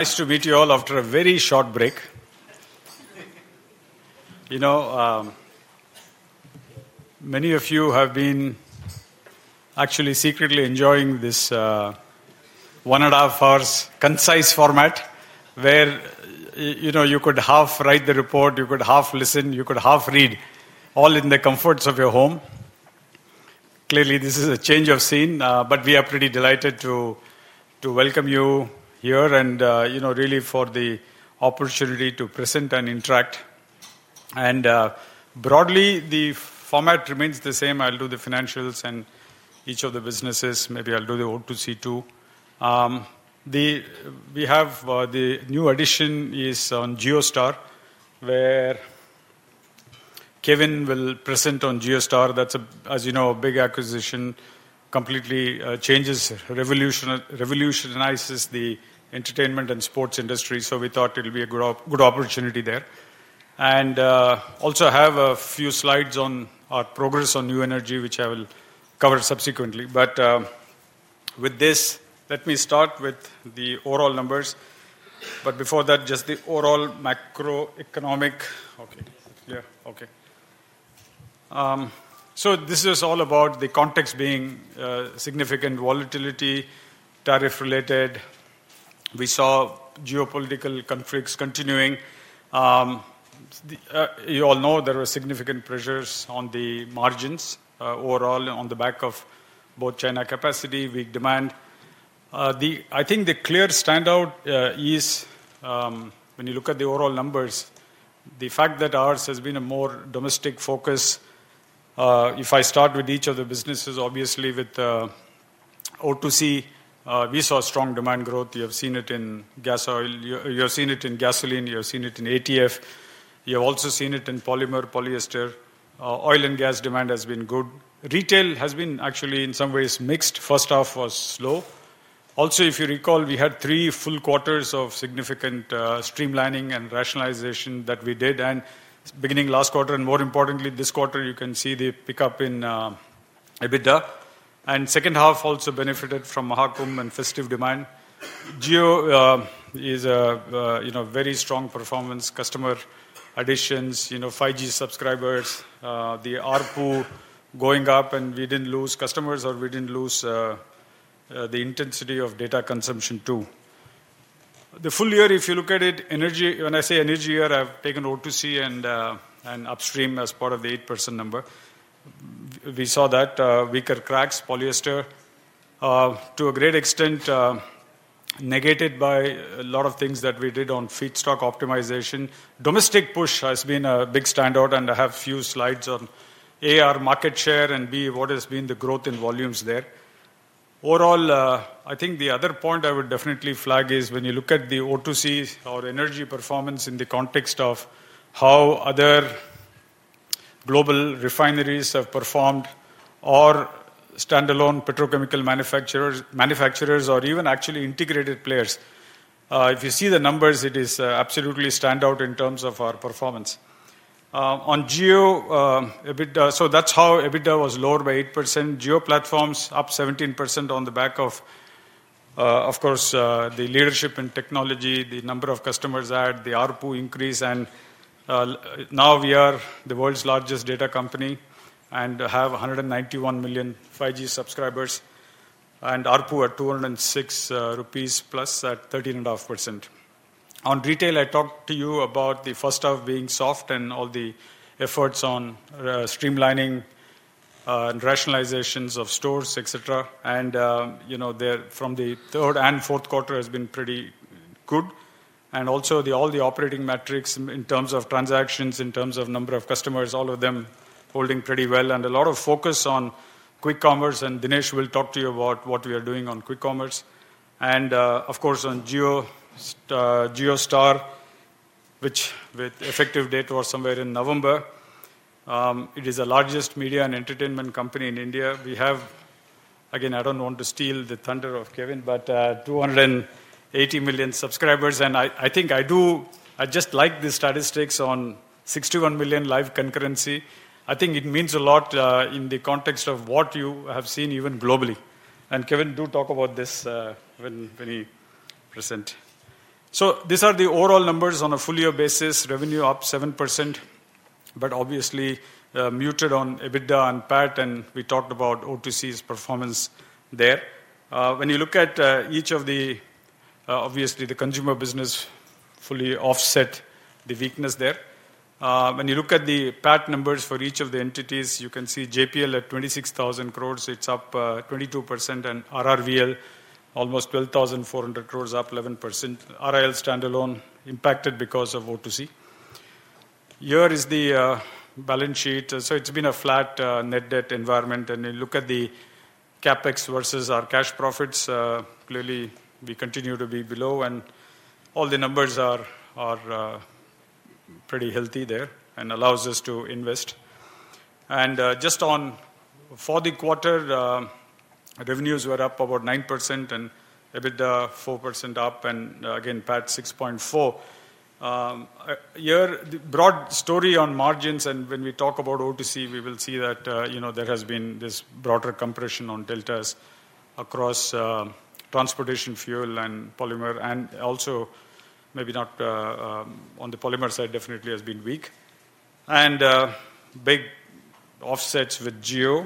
Nice to meet you all after a very short break. You know, many of you have been actually secretly enjoying this one-and-a-half-hour concise format where you could half write the report, you could half listen, you could half read, all in the comforts of your home. Clearly, this is a change of scene, but we are pretty delighted to welcome you here and really for the opportunity to present and interact. Broadly, the format remains the same. I'll do the financials and each of the businesses. Maybe I'll do the O2C too. The new addition is on JioStar, where Kevin will present on JioStar. That's, as you know, a big acquisition. It completely changes, revolutionizes the entertainment and sports industry. We thought it would be a good opportunity there. I also have a few slides on our progress on new energy, which I will cover subsequently. With this, let me start with the overall numbers. Before that, just the overall macroeconomic, okay. Yeah, okay. This is all about the context being significant volatility, tariff-related. We saw geopolitical conflicts continuing. You all know there were significant pressures on the margins overall on the back of both China capacity, weak demand. I think the clear standout is when you look at the overall numbers, the fact that ours has been a more domestic focus. If I start with each of the businesses, obviously with O2C, we saw strong demand growth. You have seen it in gas oil. You have seen it in gasoline. You have seen it in ATF. You have also seen it in polymer, polyester. Oil and gas demand has been good. Retail has been actually in some ways mixed. First half was slow. Also, if you recall, we had three full quarters of significant streamlining and rationalization that we did. Beginning last quarter, and more importantly, this quarter, you can see the pickup in EBITDA. The second half also benefited from Maha Kumbh and festive demand. Jio is a very strong performance, customer additions, 5G subscribers, the ARPU going up. We did not lose customers or we did not lose the intensity of data consumption too. The full year, if you look at it, energy when I say energy year, I have taken O2C and upstream as part of the 8% number. We saw that weaker cracks, polyester, to a great extent negated by a lot of things that we did on feedstock optimization. Domestic push has been a big standout. I have a few slides on A, our market share, and B, what has been the growth in volumes there. Overall, I think the other point I would definitely flag is when you look at the O2C or energy performance in the context of how other global refineries have performed or standalone petrochemical manufacturers or even actually integrated players. If you see the numbers, it is absolutely standout in terms of our performance. On Jio, EBITDA was lower by 8%. Jio Platforms up 17% on the back of, of course, the leadership in technology, the number of customers add, the ARPU increase. We are now the world's largest data company and have 191 million 5G subscribers and ARPU at 206 rupees plus at 13.5%. On retail, I talked to you about the first half being soft and all the efforts on streamlining and rationalizations of stores, etc. From the third and fourth quarter, it has been pretty good. Also, all the operating metrics in terms of transactions, in terms of number of customers, all of them holding pretty well. A lot of focus on Quick Commerce. Dinesh will talk to you about what we are doing on Quick Commerce. Of course, on JioStar, which with effective date was somewhere in November, it is the largest media and entertainment company in India. We have, again, I do not want to steal the thunder of Kevin, but 280 million subscribers. I think I do, I just like the statistics on 61 million live concurrency. I think it means a lot in the context of what you have seen even globally. Kevin, do talk about this when he presents. These are the overall numbers on a full year basis. Revenue up 7%, but obviously muted on EBITDA and PAT. We talked about O2C's performance there. When you look at each of the, obviously, the consumer business fully offset the weakness there. When you look at the PAT numbers for each of the entities, you can see JPL at 26,000 crores. It's up 22%. And RRVL, almost 12,400 crores, up 11%. RIL standalone impacted because of O2C. Here is the balance sheet. It's been a flat net debt environment. You look at the CapEx versus our cash profits, clearly we continue to be below. All the numbers are pretty healthy there and allow us to invest. Just for the quarter, revenues were up about 9% and EBITDA 4% up. Again, PAT 6.4%. Here, broad story on margins. When we talk about O2C, we will see that there has been this broader compression on deltas across transportation, fuel, and polymer. Also maybe not on the polymer side, definitely has been weak. Big offsets with Jio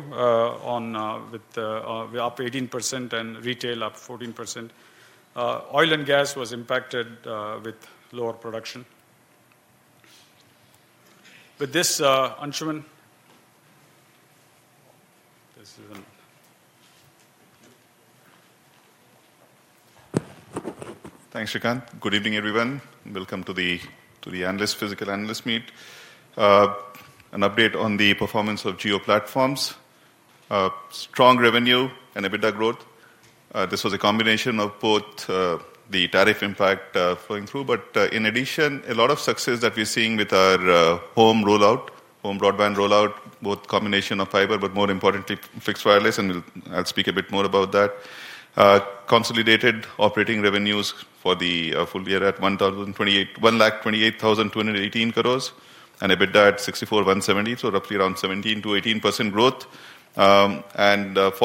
with up 18% and retail up 14%. Oil and gas was impacted with lower production. With this, Anshuman. Thanks, Shrikanth. Good evening, everyone. Welcome to the Physical Analysts Meet. An update on the performance of Jio Platforms. Strong revenue and EBITDA growth. This was a combination of both the tariff impact flowing through, but in addition, a lot of success that we're seeing with our home rollout, home broadband rollout, both combination of fiber, but more importantly, fixed wireless. I'll speak a bit more about that. Consolidated operating revenues for the full year at 128,218 crores and EBITDA at 64,170 crores. Roughly around 17-18% growth. For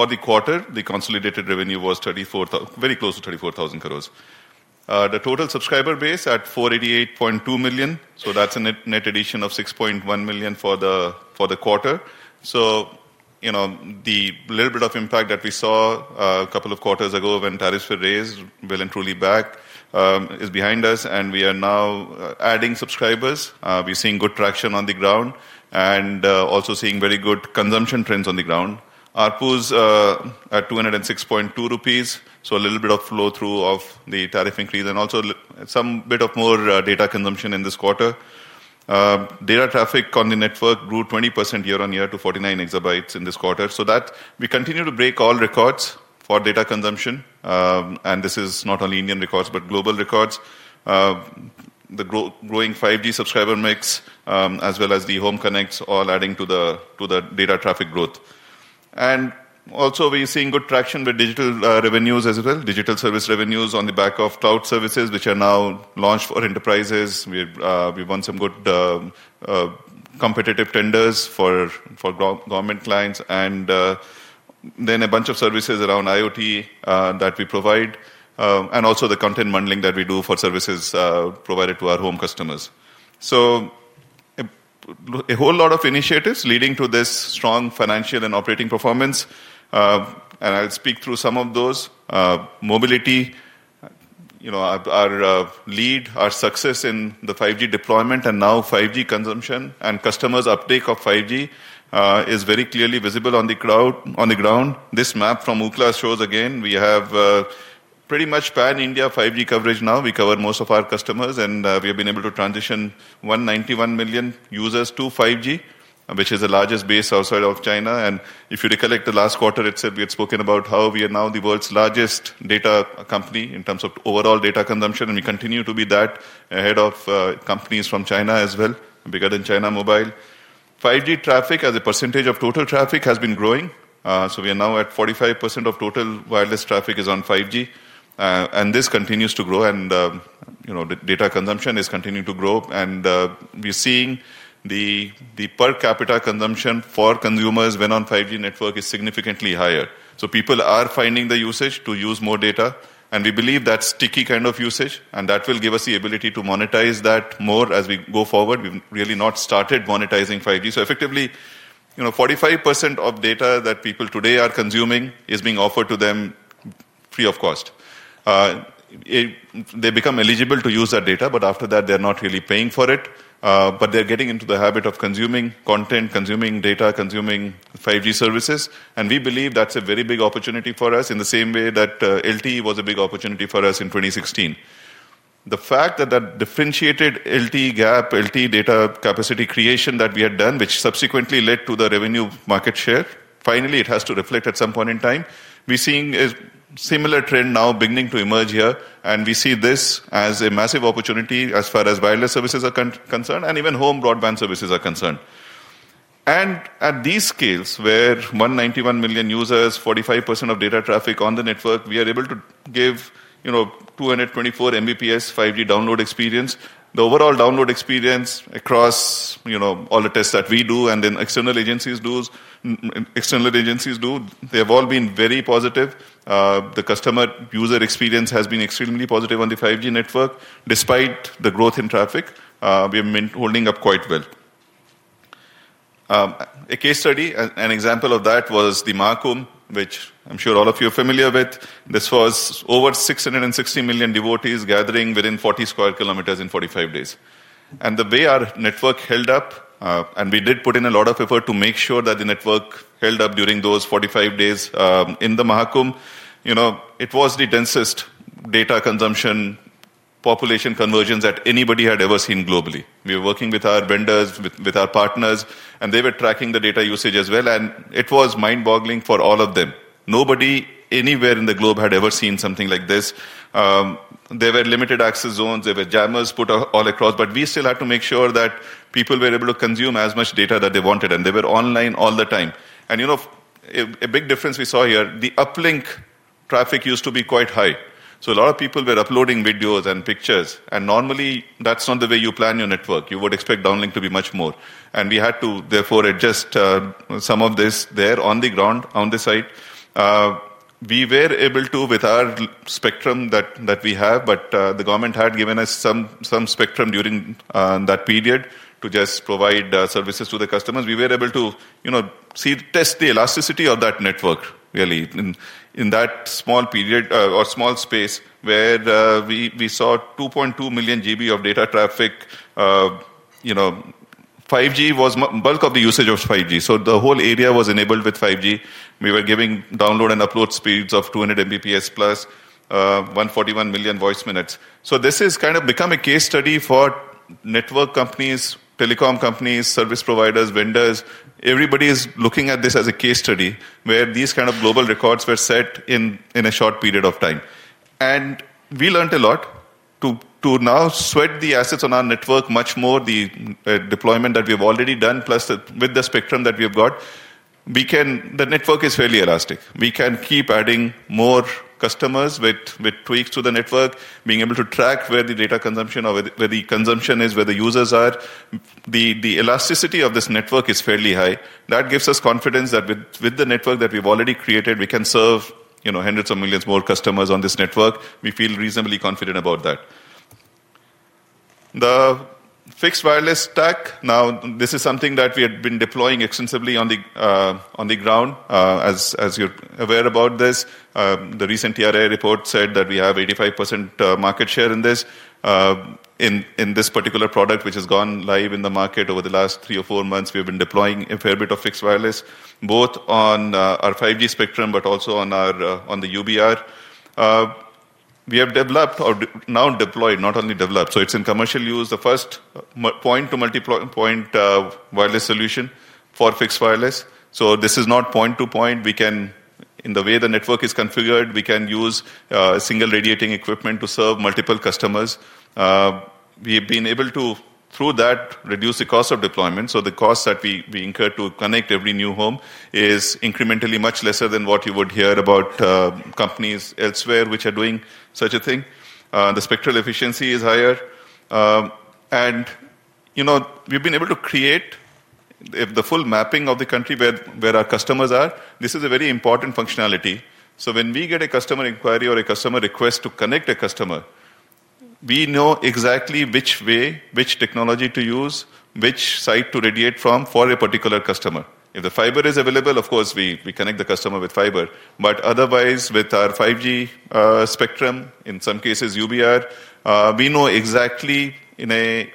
the quarter, the consolidated revenue was very close to 34,000 crores. The total subscriber base at 488.2 million. That's a net addition of 6.1 million for the quarter. The little bit of impact that we saw a couple of quarters ago when tariffs were raised is well and truly behind us. We are now adding subscribers. We're seeing good traction on the ground and also seeing very good consumption trends on the ground. ARPU is at 206.2 rupees. A little bit of flow through of the tariff increase and also some bit of more data consumption in this quarter. Data traffic on the network grew 20% year-on-year to 49 EB in this quarter. We continue to break all records for data consumption. This is not only Indian records, but global records. The growing 5G subscriber mix as well as the home connects are all adding to the data traffic growth. We are also seeing good traction with digital revenues as well. Digital service revenues on the back of cloud services, which are now launched for enterprises. We won some good competitive tenders for government clients. A bunch of services around IoT that we provide and also the content bundling that we do for services provided to our home customers. A whole lot of initiatives leading to this strong financial and operating performance. I'll speak through some of those. Mobility, our lead, our success in the 5G deployment and now 5G consumption and customers' uptake of 5G is very clearly visible on the ground. This map from Ookla shows again we have pretty much pan-India 5G coverage now. We cover most of our customers. We have been able to transition 191 million users to 5G, which is the largest base outside of China. If you recollect the last quarter, it said we had spoken about how we are now the world's largest data company in terms of overall data consumption. We continue to be ahead of companies from China as well. We got in China Mobile. 5G traffic as a percentage of total traffic has been growing. We are now at 45% of total wireless traffic is on 5G. This continues to grow. Data consumption is continuing to grow. We are seeing the per capita consumption for consumers when on 5G network is significantly higher. People are finding the usage to use more data. We believe that is sticky kind of usage. That will give us the ability to monetize that more as we go forward. We have really not started monetizing 5G. Effectively, 45% of data that people today are consuming is being offered to them free of cost. They become eligible to use that data, but after that, they are not really paying for it. They're getting into the habit of consuming content, consuming data, consuming 5G services. We believe that's a very big opportunity for us in the same way that LTE was a big opportunity for us in 2016. The fact that that differentiated LTE gap, LTE data capacity creation that we had done, which subsequently led to the revenue market share, finally it has to reflect at some point in time. We're seeing a similar trend now beginning to emerge here. We see this as a massive opportunity as far as wireless services are concerned and even home broadband services are concerned. At these scales where 191 million users, 45% of data traffic on the network, we are able to give 224 Mbps 5G download experience. The overall download experience across all the tests that we do and then external agencies do, they have all been very positive. The customer user experience has been extremely positive on the 5G network. Despite the growth in traffic, we are holding up quite well. A case study, an example of that was the Maha Kumbh, which I am sure all of you are familiar with. This was over 660 million devotees gathering within 40 sq km in 45 days. The way our network held up, and we did put in a lot of effort to make sure that the network held up during those 45 days in the Maha Kumbh, it was the densest data consumption population convergence that anybody had ever seen globally. We were working with our vendors, with our partners, and they were tracking the data usage as well. It was mind-boggling for all of them. Nobody anywhere in the globe had ever seen something like this. There were limited access zones. There were jammers put all across. We still had to make sure that people were able to consume as much data that they wanted. They were online all the time. A big difference we saw here, the uplink traffic used to be quite high. A lot of people were uploading videos and pictures. Normally, that is not the way you plan your network. You would expect downlink to be much more. We had to therefore adjust some of this there on the ground, on the site. We were able to, with our spectrum that we have, but the government had given us some spectrum during that period to just provide services to the customers. We were able to test the elasticity of that network, really, in that small period or small space where we saw 2.2 million GB of data traffic. 5G was bulk of the usage of 5G. The whole area was enabled with 5G. We were giving download and upload speeds of 200 Mbps plus, 141 million voice minutes. This has kind of become a case study for network companies, telecom companies, service providers, vendors. Everybody is looking at this as a case study where these kind of global records were set in a short period of time. We learned a lot to now sweat the assets on our network much more. The deployment that we have already done, plus with the spectrum that we have got, the network is fairly elastic. We can keep adding more customers with tweaks to the network, being able to track where the data consumption or where the consumption is, where the users are. The elasticity of this network is fairly high. That gives us confidence that with the network that we've already created, we can serve hundreds of millions more customers on this network. We feel reasonably confident about that. The fixed wireless stack, now this is something that we had been deploying extensively on the ground. As you're aware about this, the recent TRA report said that we have 85% market share in this. In this particular product, which has gone live in the market over the last three or four months, we have been deploying a fair bit of fixed wireless, both on our 5G spectrum, but also on the UBR. We have developed or now deployed, not only developed. It is in commercial use, the first point-to-point wireless solution for fixed wireless. This is not point-to-point. In the way the network is configured, we can use a single radiating equipment to serve multiple customers. We have been able to, through that, reduce the cost of deployment. The cost that we incur to connect every new home is incrementally much lesser than what you would hear about companies elsewhere which are doing such a thing. The spectral efficiency is higher. We have been able to create the full mapping of the country where our customers are. This is a very important functionality. When we get a customer inquiry or a customer request to connect a customer, we know exactly which way, which technology to use, which site to radiate from for a particular customer. If the fiber is available, of course we connect the customer with fiber. With our 5G spectrum, in some cases UBR, we know exactly in a,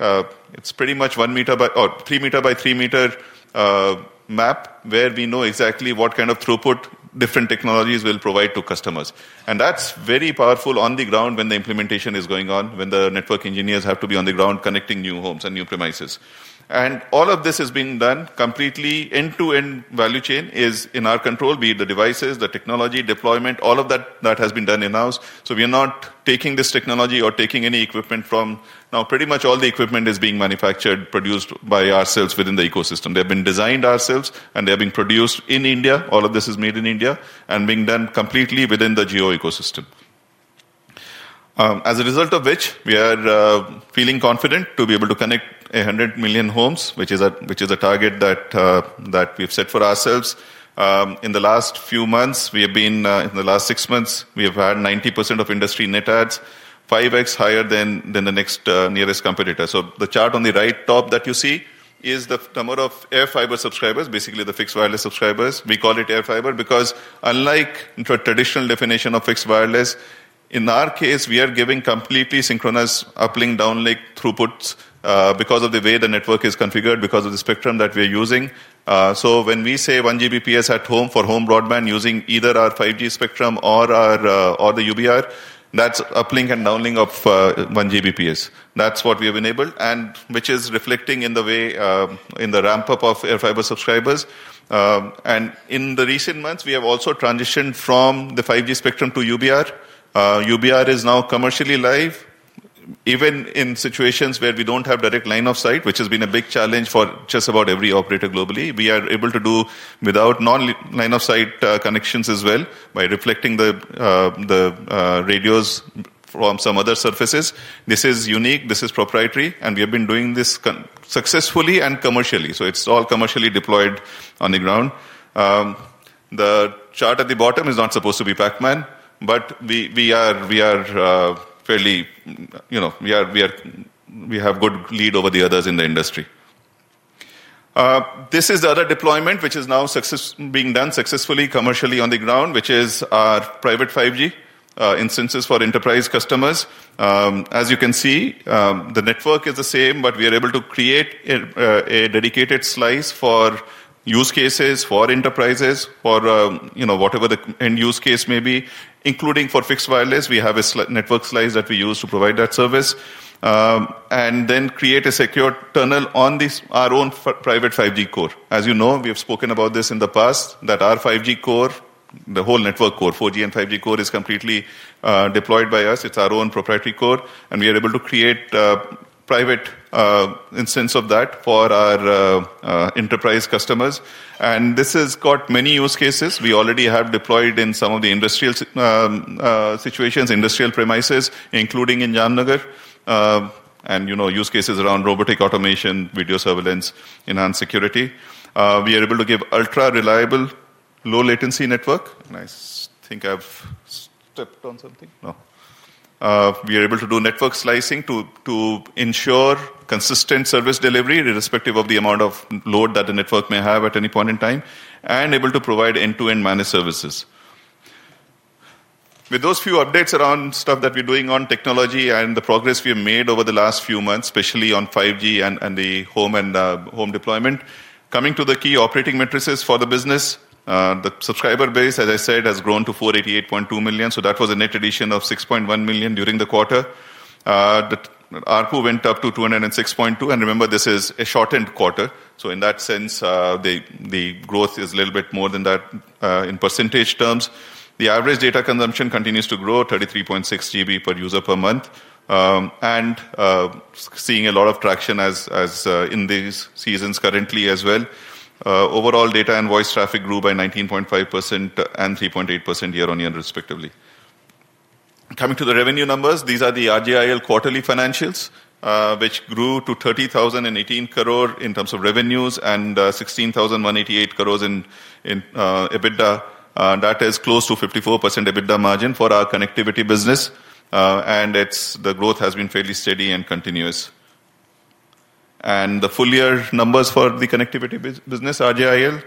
it's pretty much 1 m by, or 3 m x 3 m map where we know exactly what kind of throughput different technologies will provide to customers. That is very powerful on the ground when the implementation is going on, when the network engineers have to be on the ground connecting new homes and new premises. All of this has been done completely end-to-end value chain is in our control, be it the devices, the technology, deployment, all of that has been done in-house. We are not taking this technology or taking any equipment from now. Pretty much all the equipment is being manufactured, produced by ourselves within the ecosystem. They have been designed ourselves and they have been produced in India. All of this is made in India and being done completely within the Jio ecosystem. As a result of which, we are feeling confident to be able to connect 100 million homes, which is a target that we've set for ourselves. In the last few months, we have been, in the last six months, we have had 90% of industry net adds, 5x higher than the next nearest competitor. The chart on the right top that you see is the number of AirFiber subscribers, basically the fixed wireless subscribers. We call it AirFiber because unlike the traditional definition of fixed wireless, in our case, we are giving completely synchronous uplink, downlink, throughputs because of the way the network is configured, because of the spectrum that we are using. When we say 1 Gbps at home for home broadband using either our 5G spectrum or the UBR, that's uplink and downlink of 1 Gbps. That's what we have enabled, which is reflecting in the way in the ramp-up of AirFiber subscribers. In the recent months, we have also transitioned from the 5G spectrum to UBR. UBR is now commercially live. Even in situations where we don't have direct line of sight, which has been a big challenge for just about every operator globally, we are able to do without non-line of sight connections as well by reflecting the radios from some other surfaces. This is unique. This is proprietary. We have been doing this successfully and commercially. It's all commercially deployed on the ground. The chart at the bottom is not supposed to be Pacman, but we are fairly, we have good lead over the others in the industry. This is the other deployment which is now being done successfully commercially on the ground, which is our private 5G instances for enterprise customers. As you can see, the network is the same, but we are able to create a dedicated slice for use cases, for enterprises, for whatever the end use case may be, including for fixed wireless. We have a network slice that we use to provide that service and then create a secure tunnel on our own private 5G core. As you know, we have spoken about this in the past, that our 5G core, the whole network core, 4G and 5G core is completely deployed by us. It's our own proprietary core. We are able to create private instances of that for our enterprise customers. This has got many use cases. We already have deployed in some of the industrial situations, industrial premises, including in Jamnagar, and use cases around robotic automation, video surveillance, enhanced security. We are able to give ultra-reliable, low-latency network. I think I have stepped on something. No. We are able to do network slicing to ensure consistent service delivery irrespective of the amount of load that the network may have at any point in time, and able to provide end-to-end managed services. With those few updates around stuff that we are doing on technology and the progress we have made over the last few months, especially on 5G and the home and home deployment, coming to the key operating matrices for the business, the subscriber base, as I said, has grown to 488.2 million. That was a net addition of 6.1 million during the quarter. ARPU went up to 206.2. Remember, this is a shortened quarter. In that sense, the growth is a little bit more than that in percentage terms. The average data consumption continues to grow, 33.6 GB per user per month, and seeing a lot of traction in these seasons currently as well. Overall data and voice traffic grew by 19.5% and 3.8% year-on-year, respectively. Coming to the revenue numbers, these are the RGIL quarterly financials, which grew to 30,018 crore in terms of revenues and 16,188 crore in EBITDA. That is close to 54% EBITDA margin for our connectivity business. The growth has been fairly steady and continuous. The full year numbers for the connectivity business, RGIL,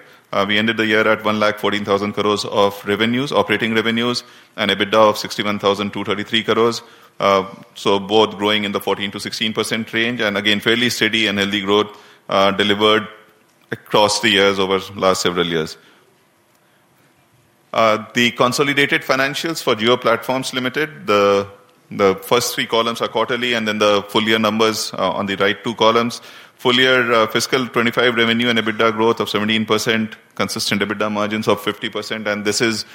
we ended the year at 114,000 crore of revenues, operating revenues, and EBITDA of 61,233 crore. Both growing in the 14%-16% range. Again, fairly steady and healthy growth delivered across the years over the last several years. The consolidated financials for Jio Platforms Limited, the first three columns are quarterly, and then the full year numbers on the right two columns. Full year fiscal 2025 revenue and EBITDA growth of 17%, consistent EBITDA margins of 50%. This is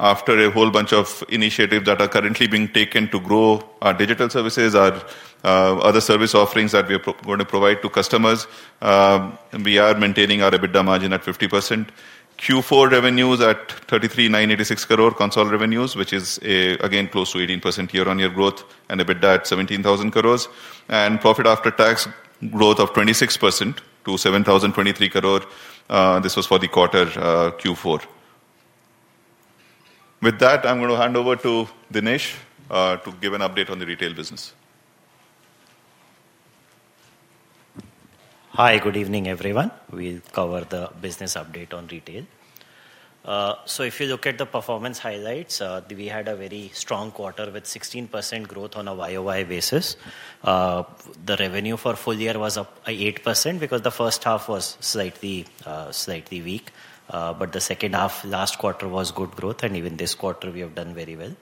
after a whole bunch of initiatives that are currently being taken to grow our digital services, our other service offerings that we are going to provide to customers. We are maintaining our EBITDA margin at 50%. Q4 revenues at 33,986 crore consolidated revenues, which is again close to 18% year-on-year growth, and EBITDA at 17,000 crore. Profit after tax growth of 26% to 7,023 crore. This was for the quarter Q4. With that, I'm going to hand over to Dinesh to give an update on the retail business. Hi, good evening, everyone. We'll cover the business update on retail. If you look at the performance highlights, we had a very strong quarter with 16% growth on a YoY basis. The revenue for full year was up 8% because the first half was slightly weak. The second half, last quarter, was good growth. Even this quarter, we have done very well.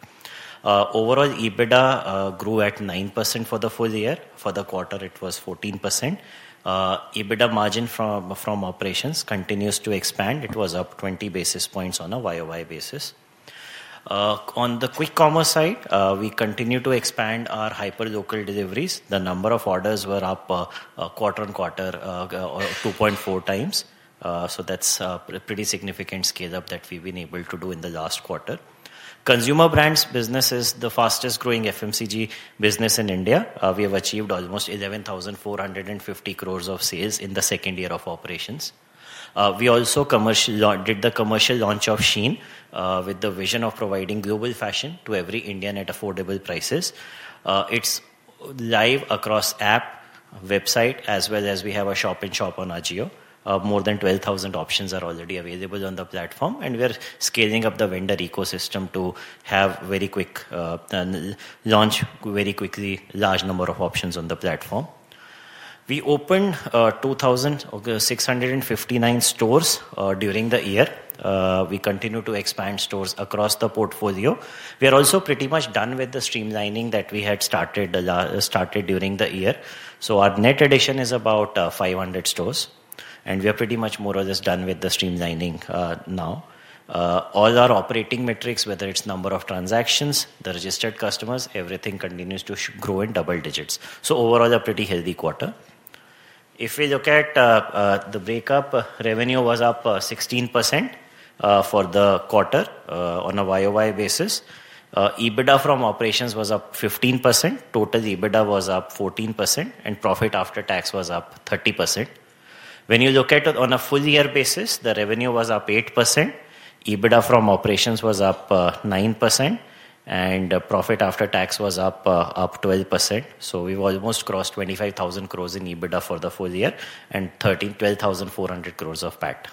Overall, EBITDA grew at 9% for the full year. For the quarter, it was 14%. EBITDA margin from operations continues to expand. It was up 20 basis points on a YoY basis. On the quick commerce side, we continue to expand our hyperlocal deliveries. The number of orders were up quarter on quarter 2.4 times. That's a pretty significant scale-up that we've been able to do in the last quarter. Consumer brands business is the fastest growing FMCG business in India. We have achieved almost 11,450 crores of sales in the second year of operations. We also did the commercial launch of SHEIN with the vision of providing global fashion to every Indian at affordable prices. It's live across app, website, as well as we have a shop-in-shop on our Jio. More than 12,000 options are already available on the platform. We are scaling up the vendor ecosystem to have very quick launch, very quickly large number of options on the platform. We opened 2,659 stores during the year. We continue to expand stores across the portfolio. We are also pretty much done with the streamlining that we had started during the year. Our net addition is about 500 stores. We are pretty much more or less done with the streamlining now. All our operating metrics, whether it's number of transactions, the registered customers, everything continues to grow in double digits. Overall, a pretty healthy quarter. If we look at the breakup, revenue was up 16% for the quarter on a YoY basis. EBITDA from operations was up 15%. Total EBITDA was up 14%. Profit after tax was up 30%. When you look at it on a full year basis, the revenue was up 8%. EBITDA from operations was up 9%. Profit after tax was up 12%. We have almost crossed 25,000 crore in EBITDA for the full year and 12,400 crore of PAT.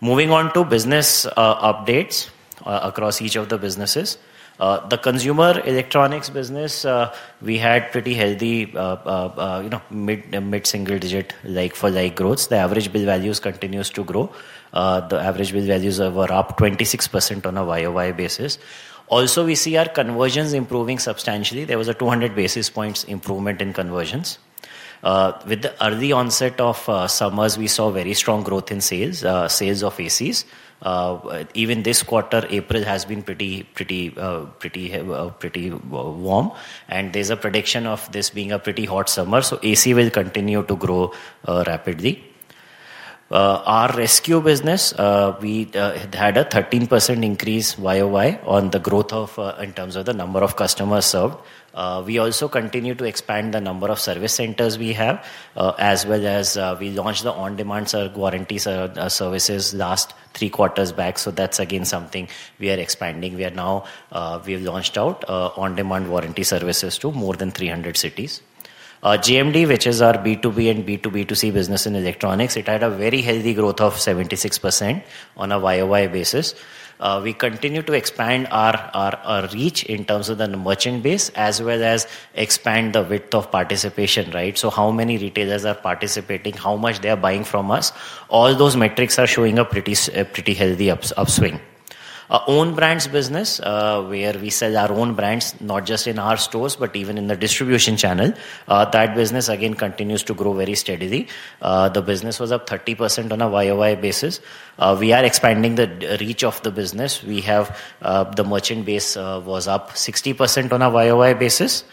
Moving on to business updates across each of the businesses. The consumer electronics business, we had pretty healthy mid-single digit like-for-like growth. The average bill values continues to grow. The average bill values were up 26% on a year-on-year basis. Also, we see our conversions improving substantially. There was a 200 basis points improvement in conversions. With the early onset of summers, we saw very strong growth in sales, sales of ACs. Even this quarter, April, has been pretty warm. There is a prediction of this being a pretty hot summer. AC will continue to grow rapidly. Our rescue business, we had a 13% increase YoY on the growth in terms of the number of customers served. We also continue to expand the number of service centers we have, as well as we launched the on-demand warranty services three quarters back. That is again something we are expanding. We have launched our on-demand warranty services to more than 300 cities. GMD, which is our B2B and B2B2C business in electronics, had a very healthy growth of 76% on a YoY basis. We continue to expand our reach in terms of the merchant base, as well as expand the width of participation, right? How many retailers are participating, how much they are buying from us. All those metrics are showing a pretty healthy upswing. Own brands business, where we sell our own brands, not just in our stores, but even in the distribution channel, that business again continues to grow very steadily. The business was up 30% on a YoY basis. We are expanding the reach of the business. The merchant base was up 60% on a YoY basis.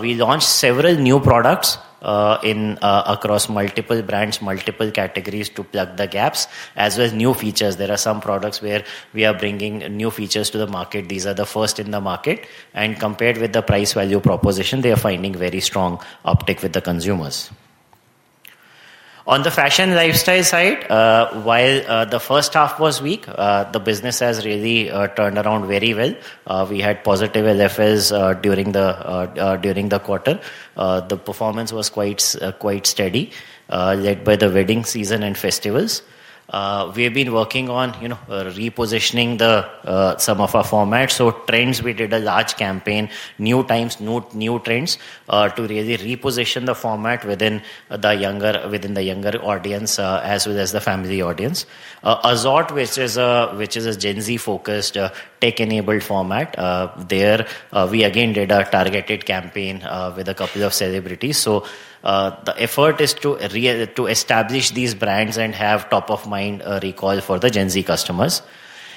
We launched several new products across multiple brands, multiple categories to plug the gaps, as well as new features. There are some products where we are bringing new features to the market. These are the first in the market. Compared with the price value proposition, they are finding very strong uptake with the consumers. On the fashion lifestyle side, while the first half was weak, the business has really turned around very well. We had positive LFLs during the quarter. The performance was quite steady, led by the wedding season and festivals. We have been working on repositioning some of our formats. Trends, we did a large campaign, new times, new trends to really reposition the format within the younger audience, as well as the family audience. AZORTE, which is a Gen Z-focused tech-enabled format, there we again did a targeted campaign with a couple of celebrities. The effort is to establish these brands and have top-of-mind recall for the Gen Z customers.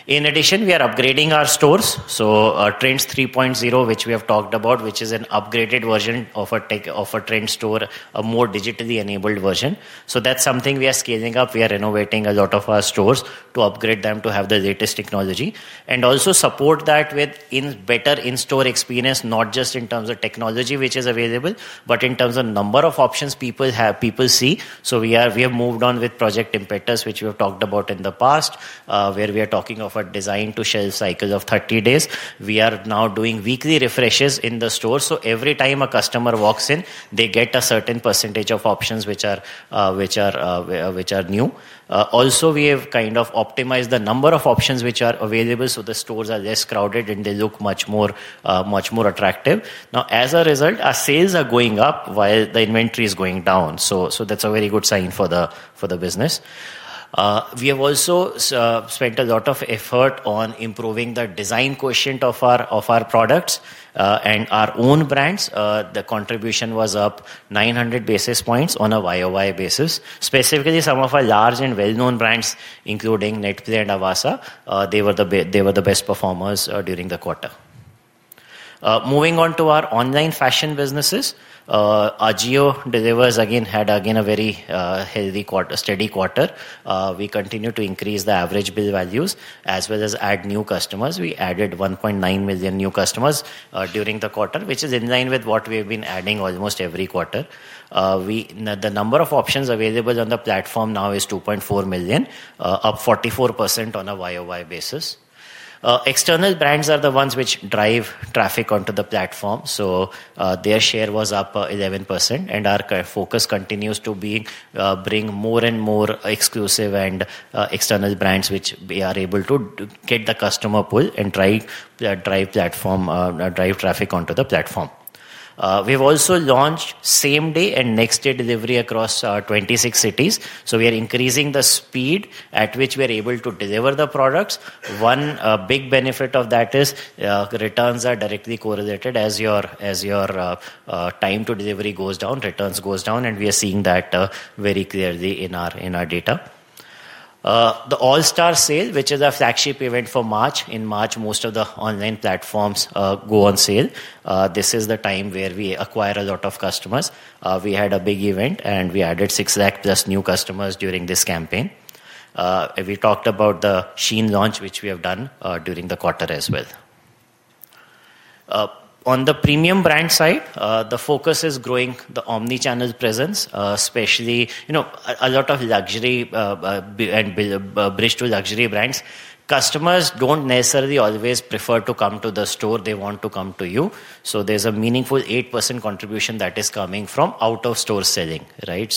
In addition, we are upgrading our stores. Trends 3.0, which we have talked about, is an upgraded version of a Trends store, a more digitally enabled version. That is something we are scaling up. We are innovating a lot of our stores to upgrade them to have the latest technology. We also support that with better in-store experience, not just in terms of technology, which is available, but in terms of number of options people see. We have moved on with Project Impetus, which we have talked about in the past, where we are talking of a design-to-shelf cycle of 30 days. We are now doing weekly refreshes in the store. Every time a customer walks in, they get a certain percentage of options which are new. We have kind of optimized the number of options which are available. The stores are less crowded, and they look much more attractive. Now, as a result, our sales are going up while the inventory is going down. That is a very good sign for the business. We have also spent a lot of effort on improving the design quotient of our products and our own brands. The contribution was up 900 basis points on a YoY basis. Specifically, some of our large and well-known brands, including Netplay and Avaasa, were the best performers during the quarter. Moving on to our online fashion businesses, Ajio delivers again had a very steady quarter. We continue to increase the average bill values, as well as add new customers. We added 1.9 million new customers during the quarter, which is in line with what we have been adding almost every quarter. The number of options available on the platform now is 2.4 million, up 44% on a YoY basis. External brands are the ones which drive traffic onto the platform. Their share was up 11%. Our focus continues to bring more and more exclusive and external brands which we are able to get the customer pull and drive traffic onto the platform. We have also launched same-day and next-day delivery across 26 cities. We are increasing the speed at which we are able to deliver the products. One big benefit of that is returns are directly correlated as your time to delivery goes down, returns go down. We are seeing that very clearly in our data. The All-Star Sale, which is a flagship event for March. In March, most of the online platforms go on sale. This is the time where we acquire a lot of customers. We had a big event, and we added 6 lakh+ new customers during this campaign. We talked about the SHEIN launch, which we have done during the quarter as well. On the premium brand side, the focus is growing the omnichannel presence, especially a lot of luxury and bridge-to-luxury brands. Customers do not necessarily always prefer to come to the store. They want to come to you. There is a meaningful 8% contribution that is coming from out-of-store selling, right?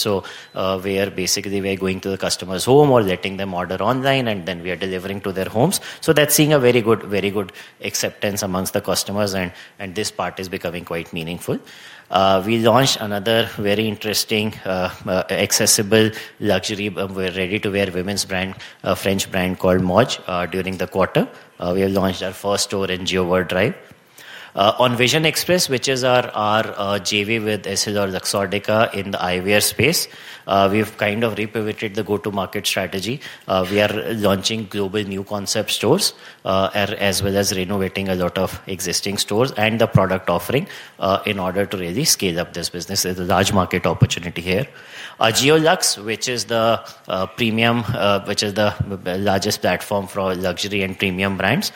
Basically, we are going to the customer's home or letting them order online, and then we are delivering to their homes. That is seeing a very good acceptance amongst the customers. This part is becoming quite meaningful. We launched another very interesting accessible luxury ready-to-wear women's brand, French brand called Maje during the quarter. We have launched our first store in Jio World Drive. On Vision Express, which is our JV with EssilorLuxottica in the eyewear space, we have kind of repivoted the go-to-market strategy. We are launching global new concept stores, as well as renovating a lot of existing stores and the product offering in order to really scale up this business. There is a large market opportunity here. Ajio Luxe, which is the premium, which is the largest platform for luxury and premium brands,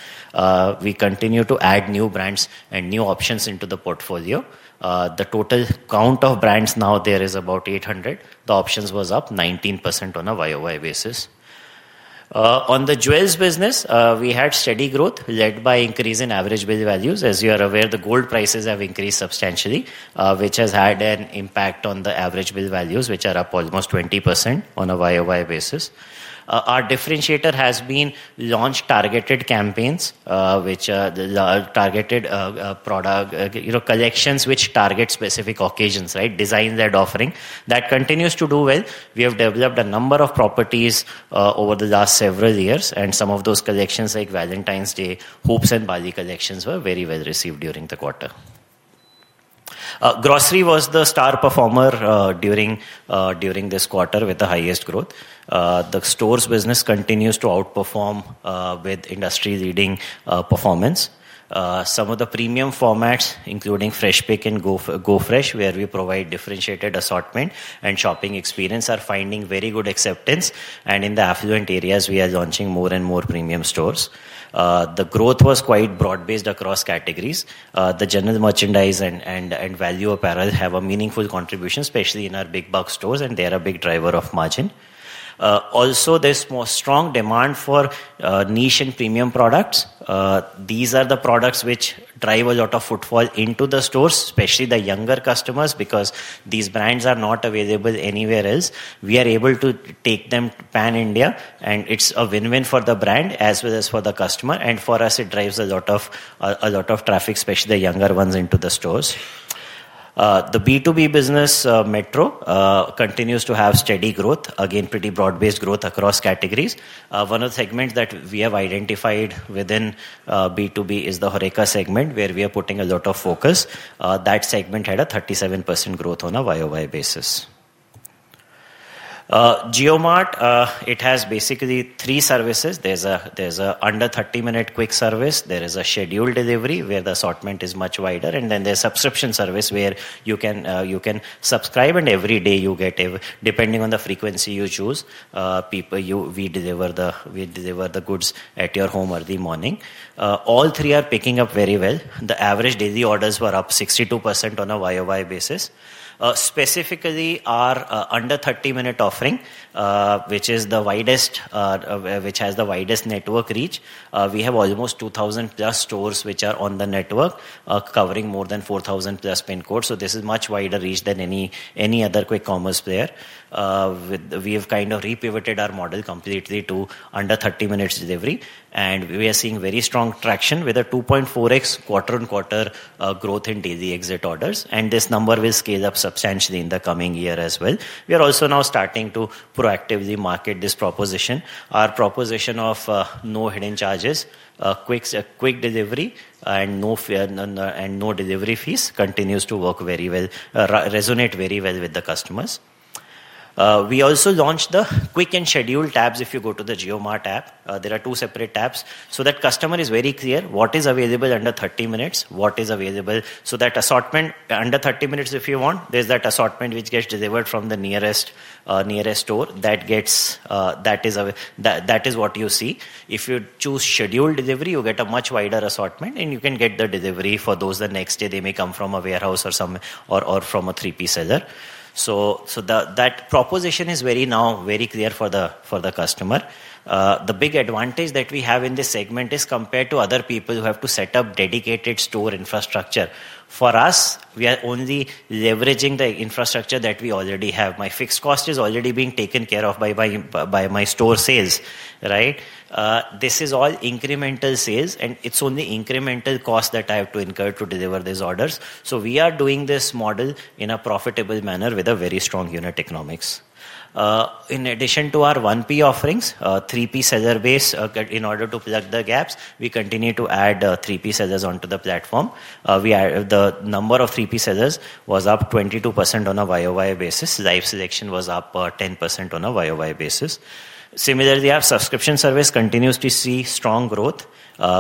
we continue to add new brands and new options into the portfolio. The total count of brands now there is about 800. The options was up 19% on a YoY basis. On the jewels business, we had steady growth led by increase in average bill values. As you are aware, the gold prices have increased substantially, which has had an impact on the average bill values, which are up almost 20% on a YoY basis. Our differentiator has been launched targeted campaigns, which are targeted collections which target specific occasions, right? Designs that offering. That continues to do well. We have developed a number of properties over the last several years. Some of those collections, like Valentine's Day, hoops, and bali collections were very well received during the quarter. Grocery was the star performer during this quarter with the highest growth. The stores business continues to outperform with industry-leading performance. Some of the premium formats, including Freshpik and GoFresh, where we provide differentiated assortment and shopping experience, are finding very good acceptance. In the affluent areas, we are launching more and more premium stores. The growth was quite broad-based across categories. The general merchandise and value apparel have a meaningful contribution, especially in our big-box stores, and they are a big driver of margin. Also, there's more strong demand for niche and premium products. These are the products which drive a lot of footfall into the stores, especially the younger customers, because these brands are not available anywhere else. We are able to take them to pan India, and it's a win-win for the brand as well as for the customer. For us, it drives a lot of traffic, especially the younger ones into the stores. The B2B business, Metro, continues to have steady growth, again, pretty broad-based growth across categories. One of the segments that we have identified within B2B is the Horeca segment, where we are putting a lot of focus. That segment had a 37% growth on a YoY basis. JioMart, it has basically three services. There's an under 30-minute quick service. There is a scheduled delivery, where the assortment is much wider. There is subscription service, where you can subscribe, and every day you get, depending on the frequency you choose, we deliver the goods at your home early morning. All three are picking up very well. The average daily orders were up 62% on a YoY basis. Specifically, our under 30-minute offering, which is the widest, which has the widest network reach, we have almost 2,000+ stores which are on the network, covering more than 4,000+ pin codes. This is much wider reach than any other quick commerce player. We have kind of repivoted our model completely to under 30-minute delivery. We are seeing very strong traction with a 2.4x quarter-on-quarter growth in daily exit orders. This number will scale up substantially in the coming year as well. We are also now starting to proactively market this proposition. Our proposition of no hidden charges, quick delivery, and no delivery fees continues to work very well, resonate very well with the customers. We also launched the quick and scheduled tabs. If you go to the JioMart app, there are two separate tabs. That way, the customer is very clear what is available under 30 minutes, what is available. That assortment under 30 minutes, if you want, there is that assortment which gets delivered from the nearest store, that is what you see. If you choose scheduled delivery, you get a much wider assortment, and you can get the delivery for those the next day. They may come from a warehouse or from a three-piece seller. That proposition is now very clear for the customer. The big advantage that we have in this segment is compared to other people who have to set up dedicated store infrastructure. For us, we are only leveraging the infrastructure that we already have. My fixed cost is already being taken care of by my store sales, right? This is all incremental sales, and it's only incremental cost that I have to incur to deliver these orders. We are doing this model in a profitable manner with a very strong unit economics. In addition to our 1P offerings, 3P seller base, in order to plug the gaps, we continue to add 3P sellers onto the platform. The number of 3P sellers was up 22% on a YoY basis. Live selection was up 10% on a YoY basis. Similarly, our subscription service continues to see strong growth.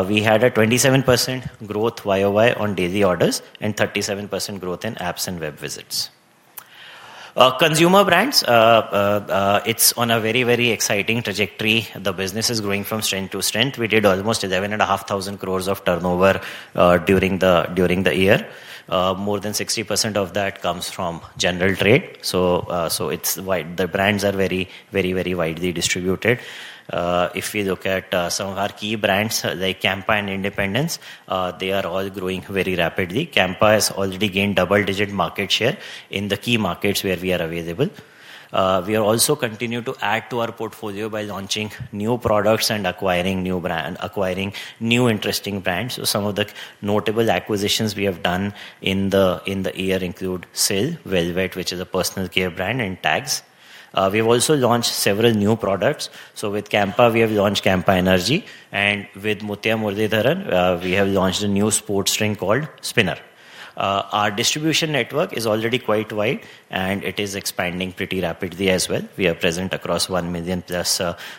We had a 27% growth YoY on daily orders and 37% growth in apps and web visits. Consumer brands, it's on a very, very exciting trajectory. The business is growing from strength to strength. We did almost 11,500 crores of turnover during the year. More than 60% of that comes from general trade. So the brands are very, very, very widely distributed. If we look at some of our key brands, like Campa and Independence, they are all growing very rapidly. Campa has already gained double-digit market share in the key markets where we are available. We are also continuing to add to our portfolio by launching new products and acquiring new interesting brands. Some of the notable acquisitions we have done in the year include SIL, Velvette, which is a personal care brand, and Tags. We have also launched several new products. With Campa, we have launched Campa Energy. With Muttiah Muralitharan, we have launched a new sports ring called Spinner. Our distribution network is already quite wide, and it is expanding pretty rapidly as well. We are present across 1 million+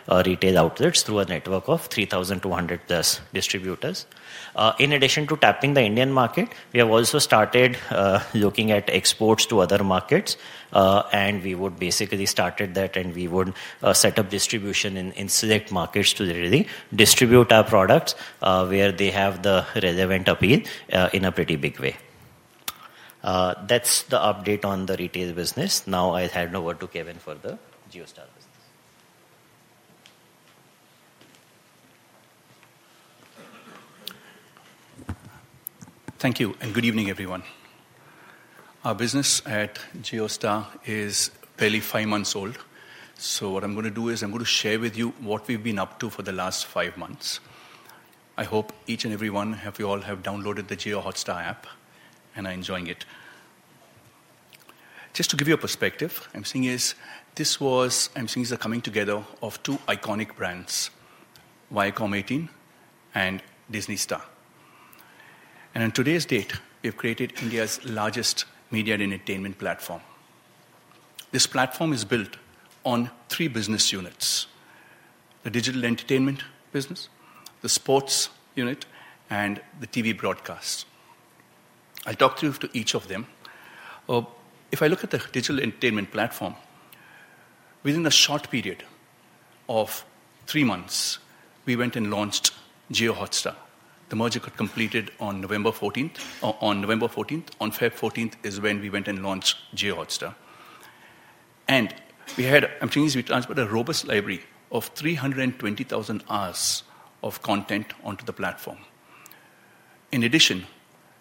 retail outlets through a network of 3,200+ distributors. In addition to tapping the Indian market, we have also started looking at exports to other markets. We would basically start at that, and we would set up distribution in select markets to really distribute our products where they have the relevant appeal in a pretty big way. That is the update on the retail business. Now I will hand over to Kevin for the JioStar business. Thank you. Good evening, everyone. Our business at JioStar is barely five months old. What I am going to do is share with you what we have been up to for the last five months. I hope each and every one of you all have downloaded the JioHotstar app and are enjoying it. Just to give you a perspective, what I'm seeing is the coming together of two iconic brands, Viacom18 and Disney Star. On today's date, we have created India's largest media and entertainment platform. This platform is built on three business units: the digital entertainment business, the sports unit, and the TV broadcast. I'll talk through each of them. If I look at the digital entertainment platform, within a short period of three months, we went and launched JioHotstar. The merger got completed on November 14. On February 14 is when we went and launched JioHotstar. What I'm seeing is we transferred a robust library of 320,000 hours of content onto the platform. In addition,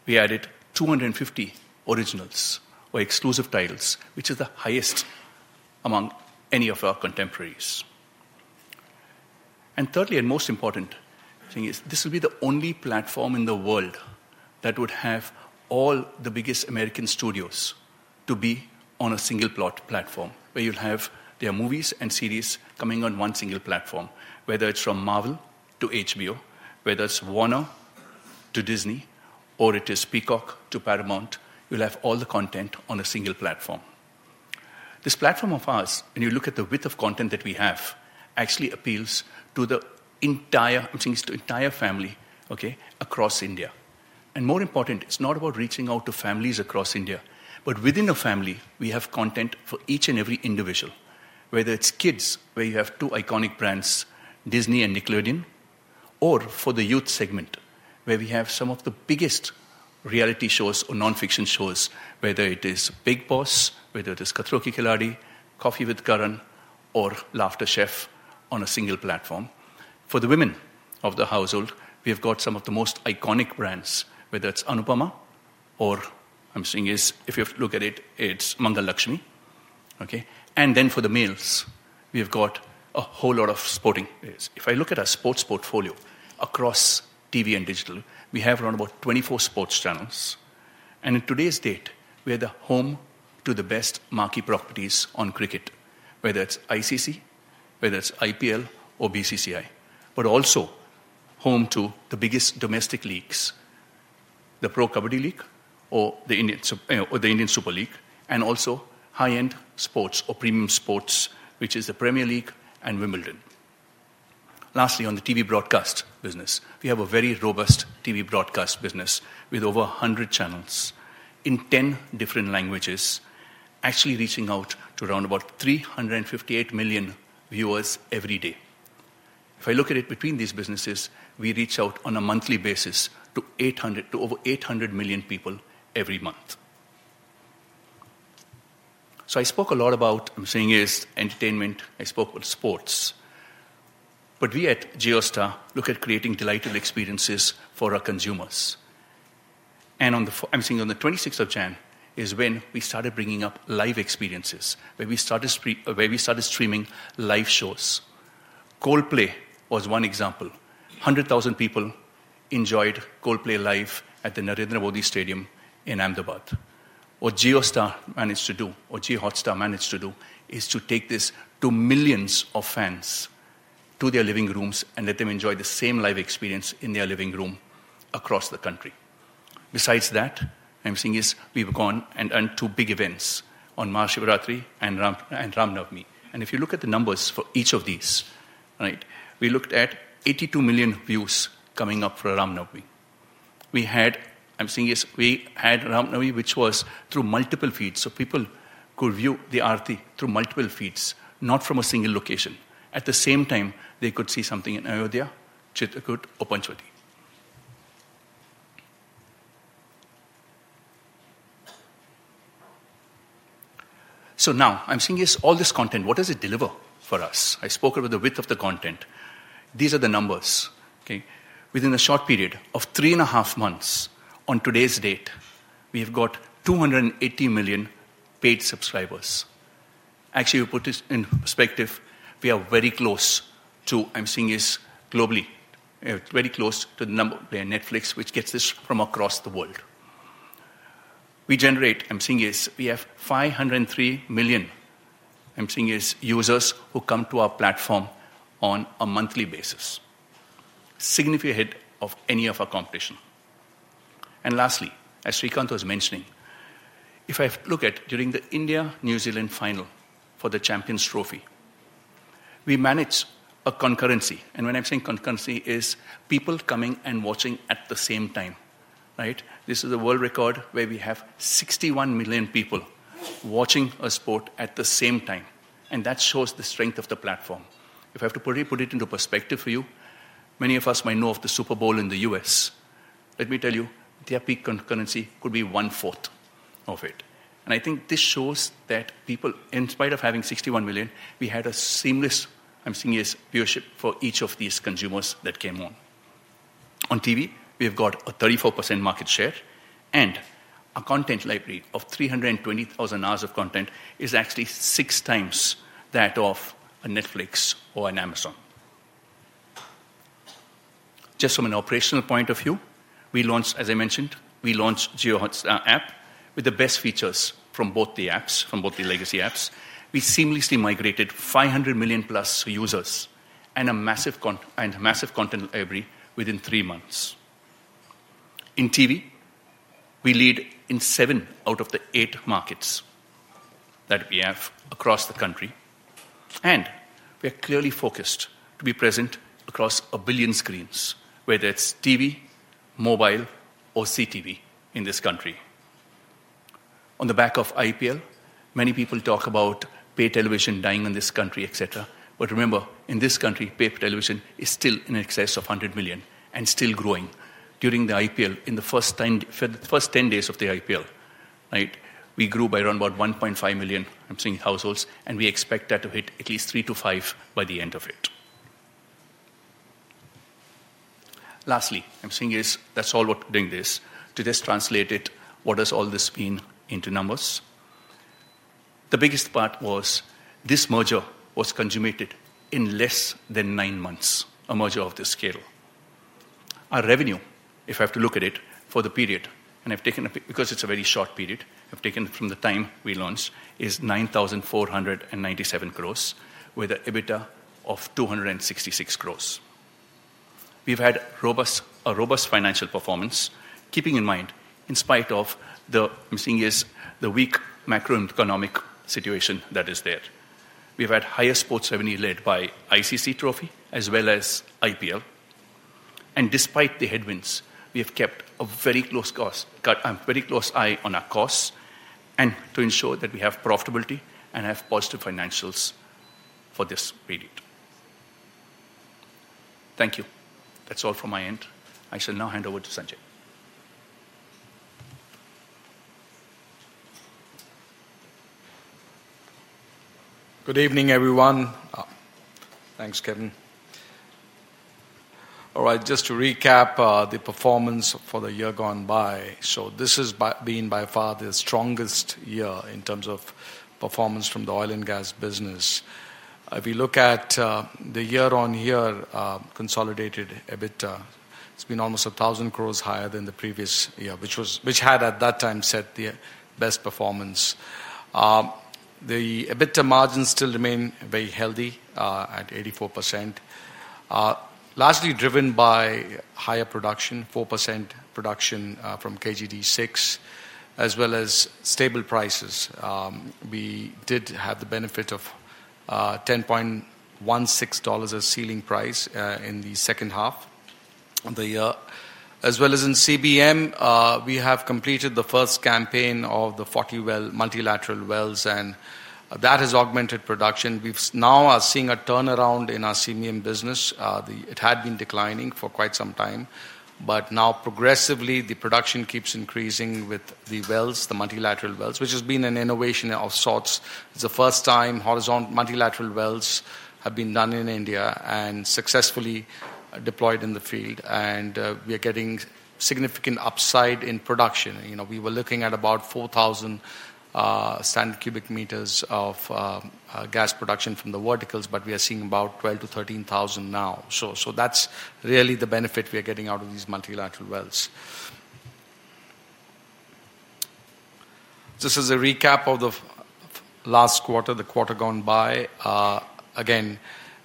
we added 250 originals or exclusive titles, which is the highest among any of our contemporaries. Thirdly, and most important, this will be the only platform in the world that would have all the biggest American studios to be on a single-plot platform, where you'll have their movies and series coming on one single platform, whether it's from Marvel to HBO, whether it's Warner to Disney, or it is Peacock to Paramount. You'll have all the content on a single platform. This platform of ours, when you look at the width of content that we have, actually appeals to the entire family across India. More important, it's not about reaching out to families across India, but within a family, we have content for each and every individual, whether it's kids, where you have two iconic brands, Disney and Nickelodeon, or for the youth segment, where we have some of the biggest reality shows or non-fiction shows, whether it is Big Boss, whether it is Khatron Ke Khiladi, Coffee with Karan, or Laughter Chef on a single platform. For the women of the household, we have got some of the most iconic brands, whether it's Anupamaa or, I'm seeing is, if you look at it, it's Mangal Lakshmi. For the males, we have got a whole lot of sporting. If I look at our sports portfolio across TV and digital, we have around about 24 sports channels. On today's date, we are the home to the best marquee properties on cricket, whether it's ICC, whether it's IPL or BCCI, but also home to the biggest domestic leagues, the Pro Kabaddi League or the Indian Super League, and also high-end sports or premium sports, which is the Premier League and Wimbledon. Lastly, on the TV broadcast business, we have a very robust TV broadcast business with over 100 channels in 10 different languages, actually reaching out to around about 358 million viewers every day. If I look at it between these businesses, we reach out on a monthly basis to over 800 million people every month. I spoke a lot about, I'm seeing is entertainment. I spoke about sports. We at JioStar look at creating delightful experiences for our consumers. I'm seeing on the 26th of January is when we started bringing up live experiences, where we started streaming live shows. Coldplay was one example. 100,000 people enjoyed Coldplay live at the Narendra Modi Stadium in Ahmedabad. What JioStar managed to do, or JioHotstar managed to do, is to take these to millions of fans to their living rooms and let them enjoy the same live experience in their living room across the country. Besides that, I'm seeing we've gone and done two big events on Mahashivratri and Ram Navami. If you look at the numbers for each of these, we looked at 82 million views coming up for Ram Navami. I'm seeing we had Ram Navami, which was through multiple feeds. People could view the arti through multiple feeds, not from a single location. At the same time, they could see something in Ayodhya, Chitrakoot, or Panchwati. Now I'm seeing is all this content, what does it deliver for us? I spoke about the width of the content. These are the numbers. Within a short period of 3.5 months on today's date, we have got 280 million paid subscribers. Actually, to put this in perspective, we are very close to, I'm seeing is globally, very close to the number playing Netplay, which gets this from across the world. We generate, I'm seeing is we have 503 million, I'm seeing is users who come to our platform on a monthly basis, significant ahead of any of our competition. Lastly, as Srikanth was mentioning, if I look at during the India-New Zealand final for the Champions Trophy, we managed a concurrency. When I'm saying concurrency, it is people coming and watching at the same time. This is a world record where we have 61 million people watching a sport at the same time. That shows the strength of the platform. If I have to put it into perspective for you, many of us might know of the Super Bowl in the U.S. Let me tell you, their peak concurrency could be one-fourth of it. I think this shows that people, in spite of having 61 million, we had a seamless viewership for each of these consumers that came on. On TV, we have got a 34% market share. Our content library of 320,000 hours of content is actually six times that of a Netflix or an Amazon. Just from an operational point of view, as I mentioned, we launched JioHotstar app with the best features from both the apps, from both the legacy apps. We seamlessly migrated 500 million+ users and a massive content library within three months. In TV, we lead in seven out of the eight markets that we have across the country. We are clearly focused to be present across a billion screens, whether it's TV, mobile, or CTV in this country. On the back of IPL, many people talk about paid television dying in this country, etc. Remember, in this country, paid television is still in excess of 100 million and still growing. During the IPL, in the first 10 days of the IPL, we grew by around about 1.5 million, I'm seeing households, and we expect that to hit at least three to five by the end of it. Lastly, I'm seeing is that's all we're doing this. To just translate it, what does all this mean into numbers? The biggest part was this merger was consummated in less than nine months, a merger of this scale. Our revenue, if I have to look at it for the period, and I've taken a because it's a very short period, I've taken it from the time we launched is 9,497 crores, with an EBITDA of 266 crores. We've had a robust financial performance, keeping in mind, in spite of the weak macroeconomic situation that is there. We've had higher sports revenue led by ICC Trophy as well as IPL. Despite the headwinds, we have kept a very close eye on our costs and to ensure that we have profitability and have positive financials for this period. Thank you. That's all from my end. I shall now hand over to Sanjay. Good evening, everyone. Thanks, Kevin. All right, just to recap the performance for the year gone by. This has been by far the strongest year in terms of performance from the oil and gas business. If we look at the year-on-year consolidated EBITDA, it has been almost 1,000 crores higher than the previous year, which had at that time set the best performance. The EBITDA margins still remain very healthy at 84%, largely driven by higher production, 4% production from KG D6, as well as stable prices. We did have the benefit of $10.16 as ceiling price in the second half of the year. As well as in CBM, we have completed the first campaign of the 40-well multilateral wells, and that has augmented production. We now are seeing a turnaround in our CBM business. It had been declining for quite some time, but now progressively the production keeps increasing with the welds, the multilateral welds, which has been an innovation of sorts. It's the first time horizontal multilateral welds have been done in India and successfully deployed in the field. We are getting significant upside in production. We were looking at about 4,000 standard cubic meters of gas production from the verticals, but we are seeing about 12,000-13,000 now. That's really the benefit we are getting out of these multilateral welds. This is a recap of the last quarter, the quarter gone by. Again,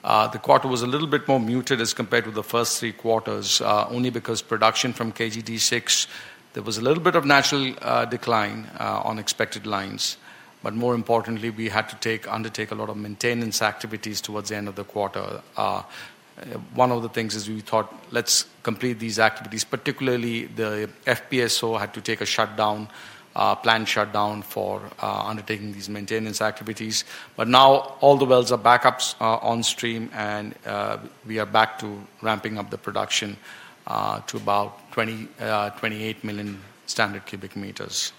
the quarter was a little bit more muted as compared to the first three quarters, only because production from KG D6, there was a little bit of natural decline on expected lines. More importantly, we had to undertake a lot of maintenance activities towards the end of the quarter. One of the things is we thought, let's complete these activities, particularly the FPSO had to take a planned shutdown for undertaking these maintenance activities. Now all the wells are back up on stream, and we are back to ramping up the production to about 28 million standard cubic meters.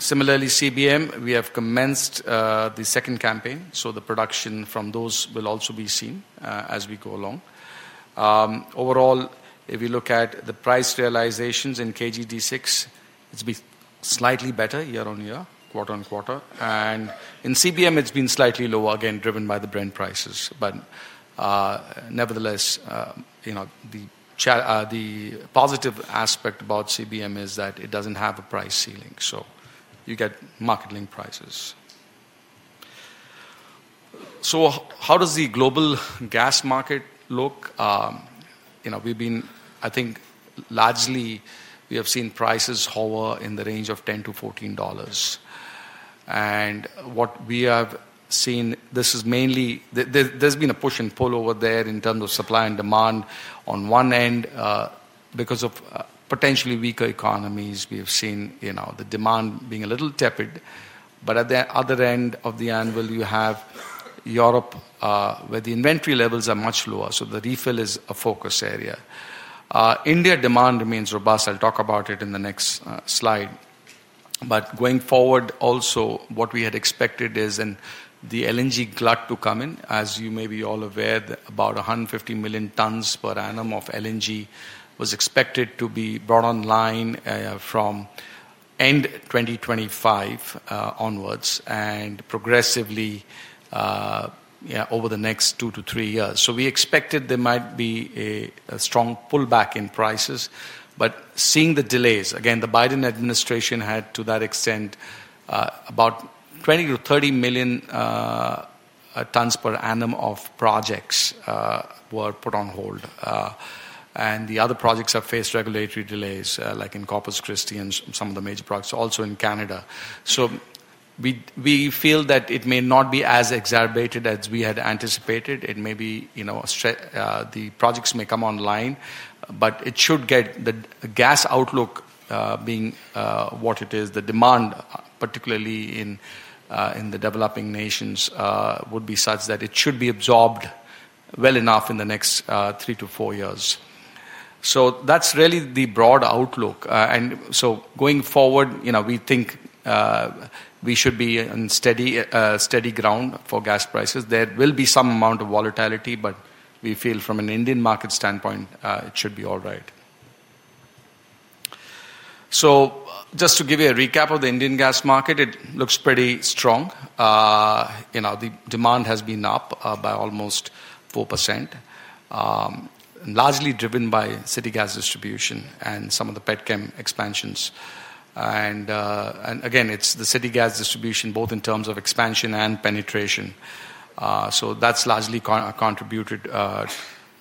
Similarly, CBM, we have commenced the second campaign. The production from those will also be seen as we go along. Overall, if we look at the price realizations in KG D6, it has been slightly better year-on-year, quarter on quarter. In CBM, it has been slightly lower again, driven by the Brent prices. Nevertheless, the positive aspect about CBM is that it does not have a price ceiling. You get market-linked prices. How does the global gas market look? We've been, I think, largely we have seen prices hover in the range of $10-$14. What we have seen, there's been a push and pull over there in terms of supply and demand. On one end, because of potentially weaker economies, we have seen the demand being a little tepid. At the other end of the anvil, you have Europe, where the inventory levels are much lower. The refill is a focus area. India demand remains robust. I'll talk about it in the next slide. Going forward, also what we had expected is the LNG glut to come in. As you may be all aware, about 150 million tons per annum of LNG was expected to be brought online from end 2025 onwards and progressively over the next two to three years. We expected there might be a strong pullback in prices. Seeing the delays, again, the Biden administration had to that extent about 20-30 million tons per annum of projects were put on hold. The other projects have faced regulatory delays, like in Corpus Christi and some of the major projects, also in Canada. We feel that it may not be as exacerbated as we had anticipated. The projects may come online, but it should get the gas outlook being what it is. The demand, particularly in the developing nations, would be such that it should be absorbed well enough in the next three to four years. That is really the broad outlook. Going forward, we think we should be on steady ground for gas prices. There will be some amount of volatility, but we feel from an Indian market standpoint, it should be all right. Just to give you a recap of the Indian gas market, it looks pretty strong. The demand has been up by almost 4%, largely driven by city gas distribution and some of the petchem expansions. Again, it is the city gas distribution, both in terms of expansion and penetration. That has largely contributed.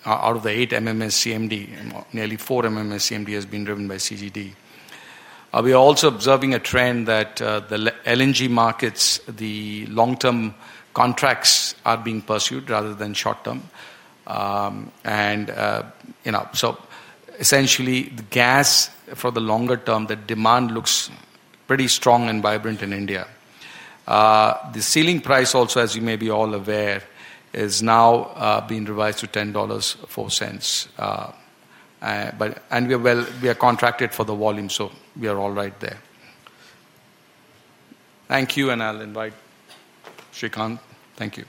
Out of the eight MMSCMD, nearly four MMSCMD has been driven by CGD. We are also observing a trend that the LNG markets, the long-term contracts are being pursued rather than short-term. Essentially, gas for the longer term, the demand looks pretty strong and vibrant in India. The ceiling price also, as you may be all aware, is now being revised to $10.04. We are contracted for the volume, so we are all right there. Thank you, and I'll invite Srikanth. Thank you.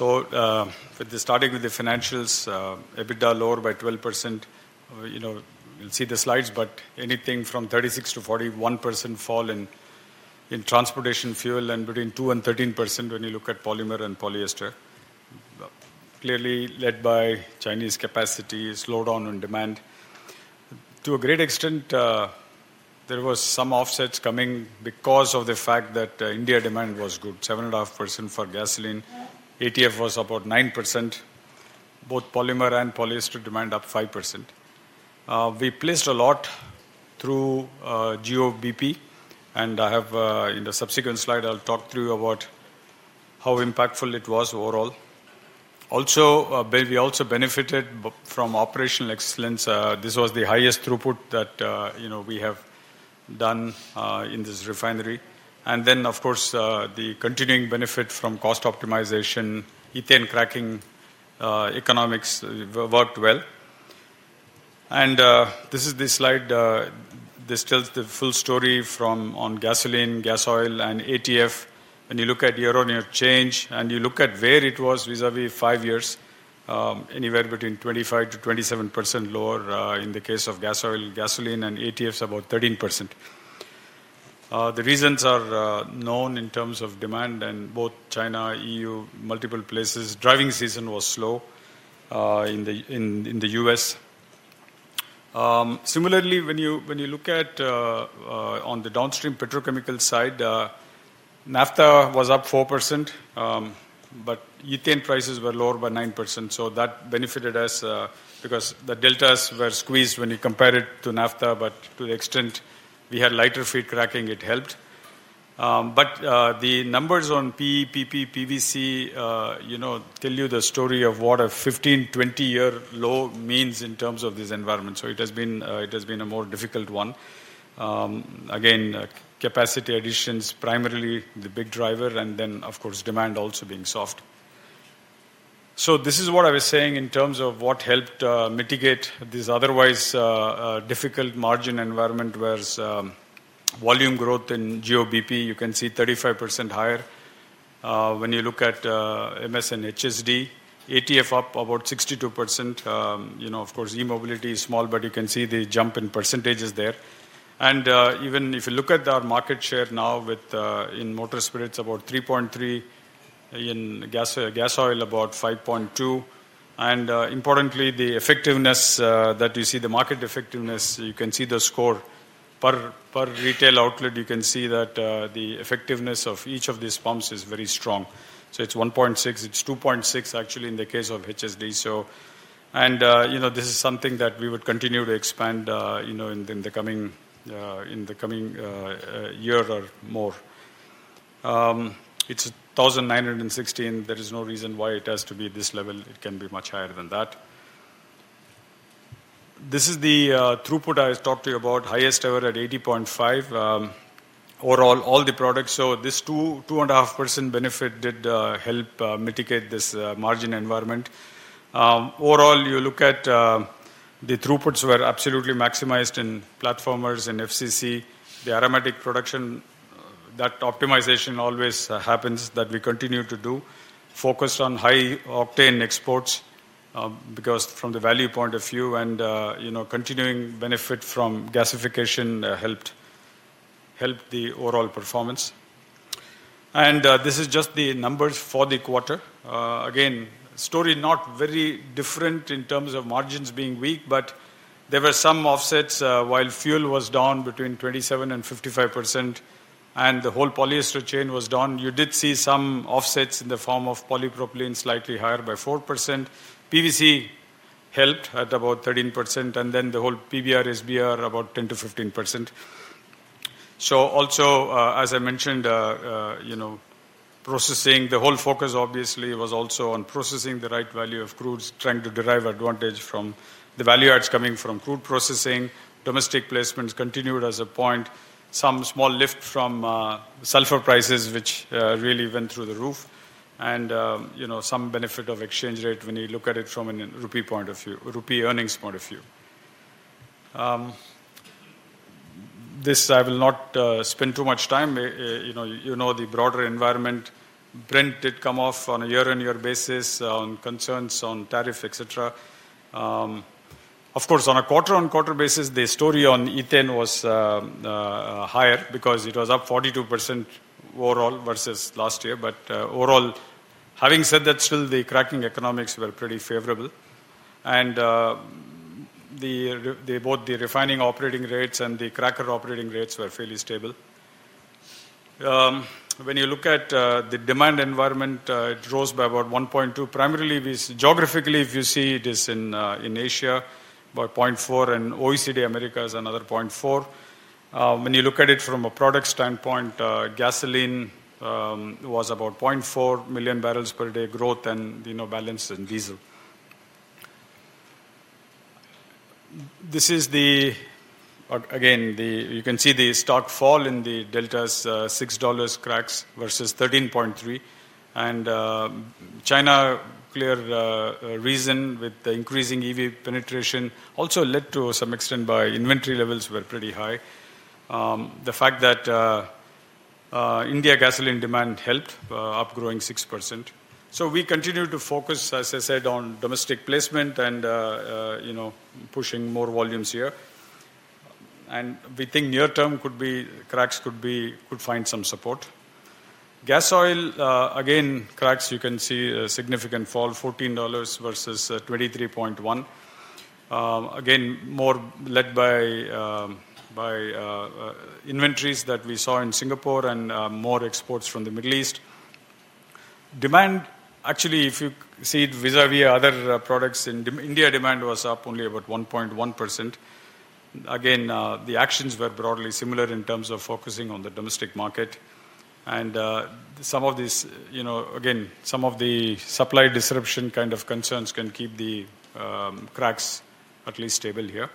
Starting with the financials, EBITDA lower by 12%. You'll see the slides, but anything from 36-41% fall in transportation fuel and between 2-13% when you look at polymer and polyester, clearly led by Chinese capacity, slowdown on demand. To a great extent, there were some offsets coming because of the fact that India demand was good, 7.5% for gasoline. ATF was about 9%. Both polymer and polyester demand up 5%. We placed a lot through GOBP, and I have in the subsequent slide, I'll talk to you about how impactful it was overall. Also, we benefited from operational excellence. This was the highest throughput that we have done in this refinery. Of course, the continuing benefit from cost optimization, ethane cracking economics worked well. This is the slide. This tells the full story from on gasoline, gas oil, and ATF. When you look at year-on-year change and you look at where it was vis-à-vis five years, anywhere between 25%-27% lower in the case of gas oil, gasoline, and ATF is about 13%. The reasons are known in terms of demand in both China, EU, multiple places. Driving season was slow in the U.S. Similarly, when you look at on the downstream petrochemical side, naphtha was up 4%, but ethane prices were lower by 9%. That benefited us because the deltas were squeezed when you compare it to naphtha, but to the extent we had lighter feed cracking, it helped. The numbers on PE, PP, PVC tell you the story of what a 15, 20-year low means in terms of this environment. It has been a more difficult one. Capacity additions, primarily the big driver, and then, of course, demand also being soft. This is what I was saying in terms of what helped mitigate this otherwise difficult margin environment, whereas volume growth in GOBP, you can see 35% higher. When you look at MS and HSD, ATF up about 62%. Of course, e-mobility is small, but you can see the jump in percentages there. Even if you look at our market share now in motor spirits, about 3.3, in gas oil, about 5.2. Importantly, the effectiveness that you see, the market effectiveness, you can see the score per retail outlet. You can see that the effectiveness of each of these pumps is very strong. It's 1.6. It's 2.6, actually, in the case of HSD. This is something that we would continue to expand in the coming year or more. It's 1,916. There is no reason why it has to be this level. It can be much higher than that. This is the throughput I talked to you about, highest ever at 80.5 overall, all the products. This 2.5% benefit did help mitigate this margin environment. Overall, you look at the throughputs were absolutely maximized in platformers and FCC. The aromatic production, that optimization always happens that we continue to do, focused on high octane exports because from the value point of view and continuing benefit from gasification helped the overall performance. This is just the numbers for the quarter. Again, story not very different in terms of margins being weak, but there were some offsets while fuel was down between 27% and 55%, and the whole polyester chain was down. You did see some offsets in the form of polypropylene slightly higher by 4%. PVC helped at about 13%, and then the whole PBR, SBR, about 10% to 15%. Also, as I mentioned, processing, the whole focus obviously was also on processing the right value of crudes, trying to derive advantage from the value adds coming from crude processing. Domestic placements continued as a point. Some small lift from sulfur prices, which really went through the roof, and some benefit of exchange rate when you look at it from a rupee earnings point of view. This I will not spend too much time. You know the broader environment. [Brent] did come off on a year-on-year basis on concerns on tariff, etc. Of course, on a quarter-on-quarter basis, the story on ethane was higher because it was up 42% overall versus last year. Overall, having said that, still the cracking economics were pretty favorable. Both the refining operating rates and the cracker operating rates were fairly stable. When you look at the demand environment, it rose by about 1.2. Primarily, geographically, if you see this in Asia, about 0.4, and OECD America is another 0.4. When you look at it from a product standpoint, gasoline was about 0.4 MMbpd growth and balanced in diesel. This is the, again, you can see the stock fall in the deltas, $6 cracks versus 13.3. China clear reason with the increasing EV penetration also led to some extent by inventory levels were pretty high. The fact that India gasoline demand helped up growing 6%. We continue to focus, as I said, on domestic placement and pushing more volumes here. We think near-term cracks could find some support. Gas oil, again, cracks, you can see a significant fall, $14 versus 23.1. Again, more led by inventories that we saw in Singapore and more exports from the Middle East. Demand, actually, if you see vis-à-vis other products in India, demand was up only about 1.1%. The actions were broadly similar in terms of focusing on the domestic market. Some of these, again, some of the supply disruption kind of concerns can keep the cracks at least stable here.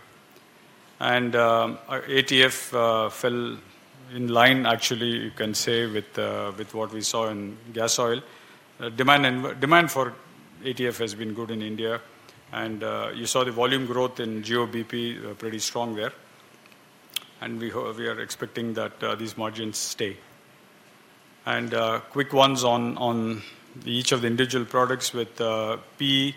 ATF fell in line, actually, you can say, with what we saw in gas oil. Demand for ATF has been good in India. You saw the volume growth in GOBP pretty strong there. We are expecting that these margins stay. Quick ones on each of the individual products with PE,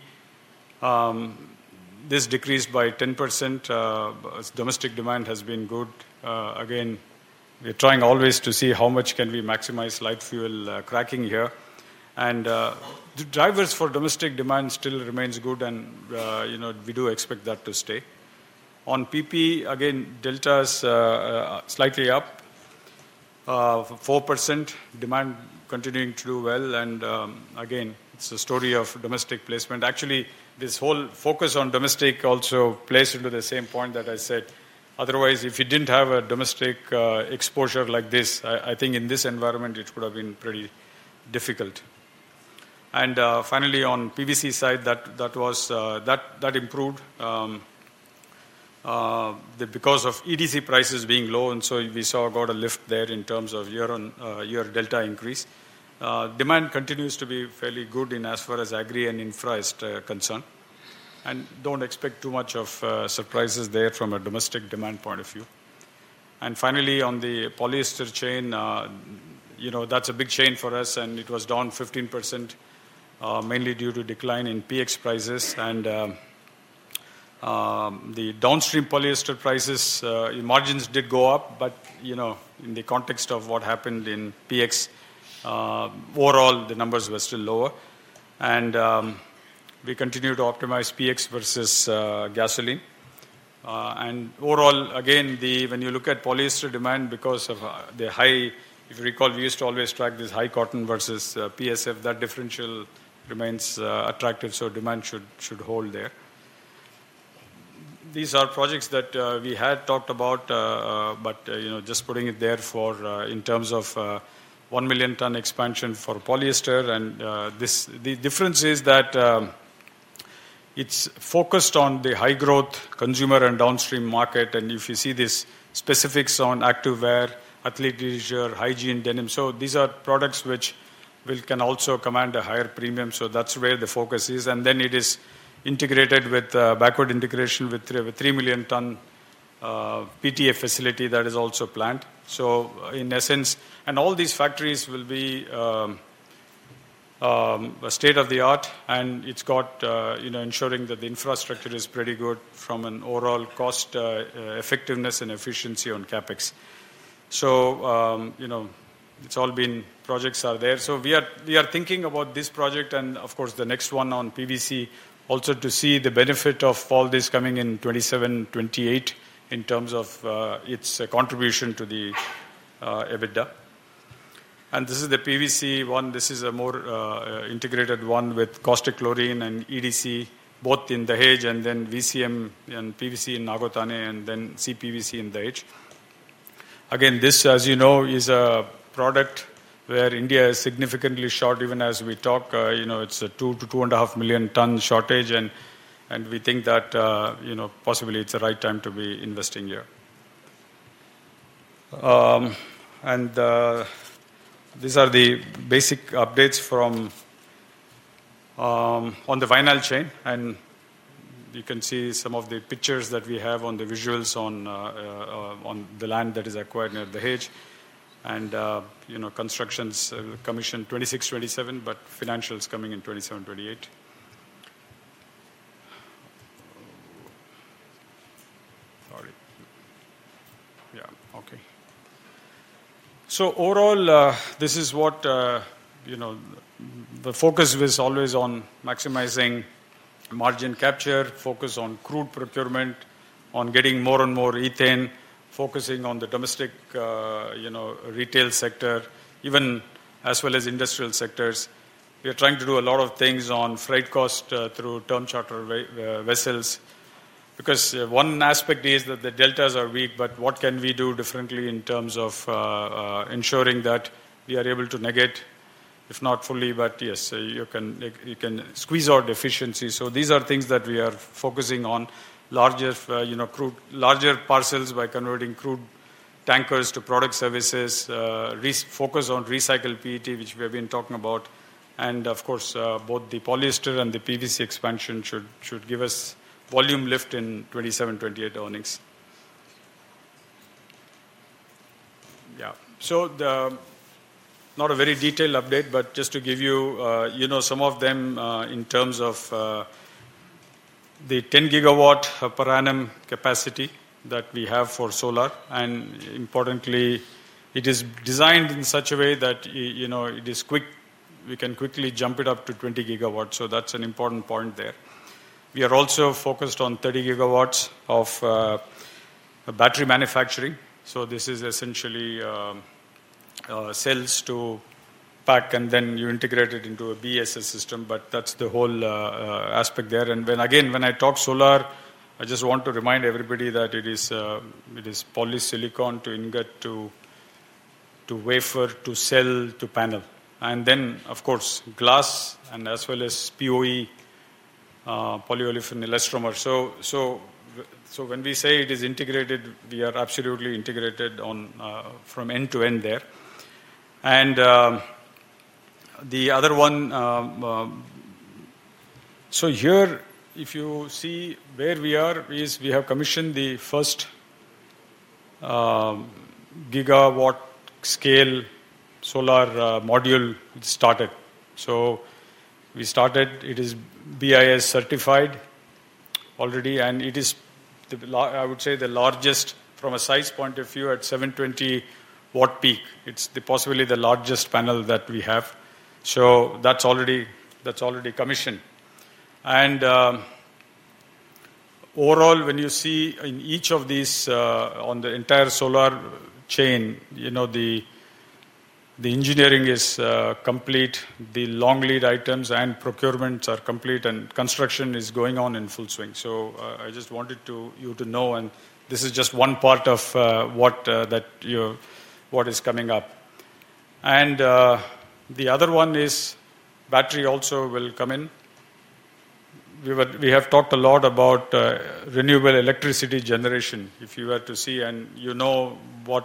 this decreased by 10%. Domestic demand has been good. Again, we're trying always to see how much can we maximize light fuel cracking here. The drivers for domestic demand still remain good, and we do expect that to stay. On PP, again, deltas slightly up, 4%, demand continuing to do well. Again, it's the story of domestic placement. Actually, this whole focus on domestic also plays into the same point that I said. Otherwise, if you did not have a domestic exposure like this, I think in this environment, it would have been pretty difficult. Finally, on PVC side, that improved because of EDC prices being low. We saw a lot of lift there in terms of year-on-year delta increase. Demand continues to be fairly good in as far as agri and infra is concerned. I do not expect too much of surprises there from a domestic demand point of view. Finally, on the polyester chain, that is a big chain for us, and it was down 15%, mainly due to decline in PX prices. The downstream polyester prices, margins did go up, but in the context of what happened in PX, overall, the numbers were still lower. We continue to optimize PX versus gasoline. Overall, again, when you look at polyester demand because of the high, if you recall, we used to always track this high cotton versus PSF, that differential remains attractive, so demand should hold there. These are projects that we had talked about, just putting it there in terms of 1 million ton expansion for polyester. The difference is that it's focused on the high-growth consumer and downstream market. If you see these specifics on active wear, athleisure, hygiene, denim, these are products which can also command a higher premium. That's where the focus is. It is integrated with backward integration with a 3 million ton PTA facility that is also planned. In essence, all these factories will be state-of-the-art, and it's got ensuring that the infrastructure is pretty good from an overall cost effectiveness and efficiency on CapEx. All these projects are there. We are thinking about this project and, of course, the next one on PVC also to see the benefit of all this coming in 2027-2028 in terms of its contribution to the EBITDA. This is the PVC one. This is a more integrated one with caustic chlorine and EDC, both in Dahej, and then VCM and PVC in Nagothane, and then CPVC in Dahej. Again, this, as you know, is a product where India is significantly short. Even as we talk, it's a 2-2.5 million ton shortage, and we think that possibly it's the right time to be investing here. These are the basic updates on the final chain. You can see some of the pictures that we have on the visuals on the land that is acquired near Dahej and constructions commissioned 2026, 2027, but financials coming in 2027, 2028. Sorry. Yeah. Okay. Overall, this is what the focus was always on maximizing margin capture, focus on crude procurement, on getting more and more ethane, focusing on the domestic retail sector, even as well as industrial sectors. We are trying to do a lot of things on freight cost through term charter vessels because one aspect is that the deltas are weak, but what can we do differently in terms of ensuring that we are able to negate, if not fully, but yes, you can squeeze out efficiency. These are things that we are focusing on, larger parcels by converting crude tankers to product services, focus on recycle PET, which we have been talking about. Of course, both the polyester and the PVC expansion should give us volume lift in 2027, 2028 earnings. Yeah. Not a very detailed update, but just to give you some of them in terms of the 10 GW per annum capacity that we have for solar. Importantly, it is designed in such a way that it is quick. We can quickly jump it up to 20 GW. That is an important point there. We are also focused on 30 GW of battery manufacturing. This is essentially cells to pack, and then you integrate it into a BSS system, but that is the whole aspect there. When I talk solar, I just want to remind everybody that it is polysilicon to ingot to wafer to cell to panel. Of course, glass and as well as POE, polyolefin elastomer. When we say it is integrated, we are absolutely integrated from end to end there. The other one, if you see where we are, we have commissioned the first gigawatt scale solar module started. We started. It is BIS certified already, and it is, I would say, the largest from a size point of view at 720 W peak. It is possibly the largest panel that we have. That is already commissioned. Overall, when you see in each of these on the entire solar chain, the engineering is complete. The long lead items and procurements are complete, and construction is going on in full swing. I just wanted you to know, and this is just one part of what is coming up. The other one is battery also will come in. We have talked a lot about renewable electricity generation. If you were to see, and you know, with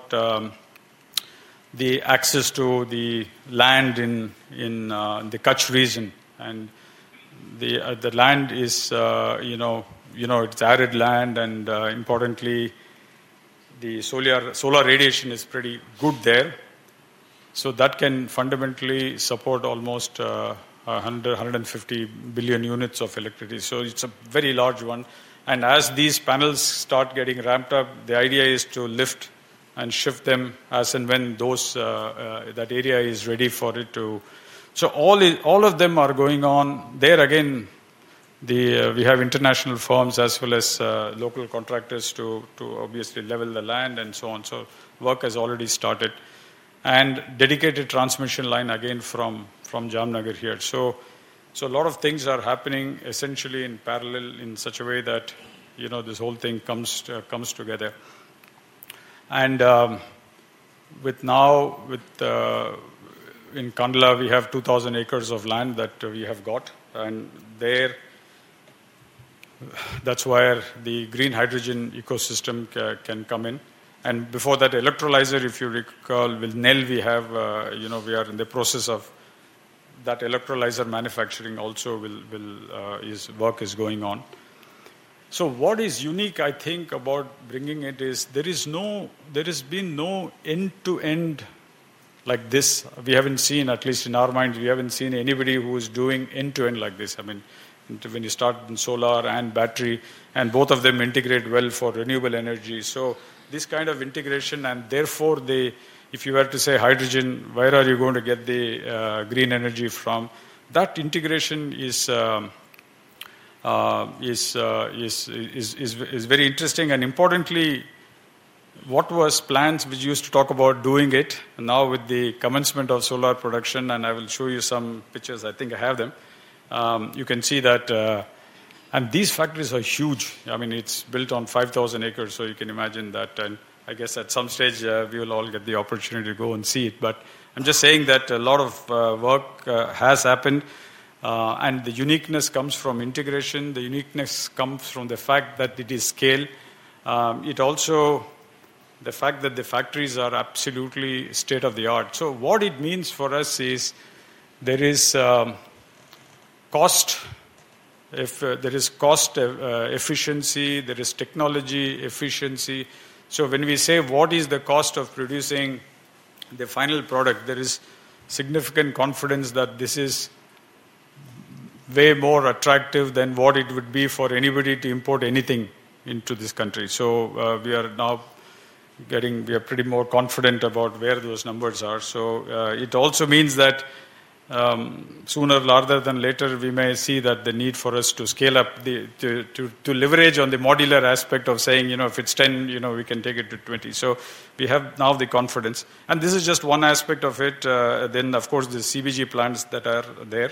the access to the land in the Kutch region, the land is arid land, and importantly, the solar radiation is pretty good there. That can fundamentally support almost 100-150 billion units of electricity. It is a very large one. As these panels start getting ramped up, the idea is to lift and shift them as and when that area is ready for it too. All of them are going on there. Again, we have international firms as well as local contractors to obviously level the land and so on. Work has already started. A dedicated transmission line again from Jamnagar here. A lot of things are happening essentially in parallel in such a way that this whole thing comes together. Now in Kandla, we have 2,000 acres of land that we have got. That is where the green hydrogen ecosystem can come in. Before that, electrolyzer, if you recall, with Nel, we are in the process of that electrolyzer manufacturing also, work is going on. What is unique, I think, about bringing it is there has been no end-to-end like this. We have not seen, at least in our mind, we have not seen anybody who is doing end-to-end like this. I mean, when you start in solar and battery and both of them integrate well for renewable energy. This kind of integration, and therefore, if you were to say hydrogen, where are you going to get the green energy from? That integration is very interesting. Importantly, what was plans which used to talk about doing it, now with the commencement of solar production, and I will show you some pictures. I think I have them. You can see that. These factories are huge. I mean, it is built on 5,000 acres, so you can imagine that. I guess at some stage, we will all get the opportunity to go and see it. I am just saying that a lot of work has happened. The uniqueness comes from integration. The uniqueness comes from the fact that it is scale. It is also the fact that the factories are absolutely state-of-the-art. What it means for us is there is cost. There is cost efficiency. There is technology efficiency. When we say what is the cost of producing the final product, there is significant confidence that this is way more attractive than what it would be for anybody to import anything into this country. We are now getting pretty more confident about where those numbers are. It also means that sooner rather than later, we may see that the need for us to scale up, to leverage on the modular aspect of saying, if it is 10, we can take it to 20. We have now the confidence. This is just one aspect of it. Of course, the CBG plants that are there.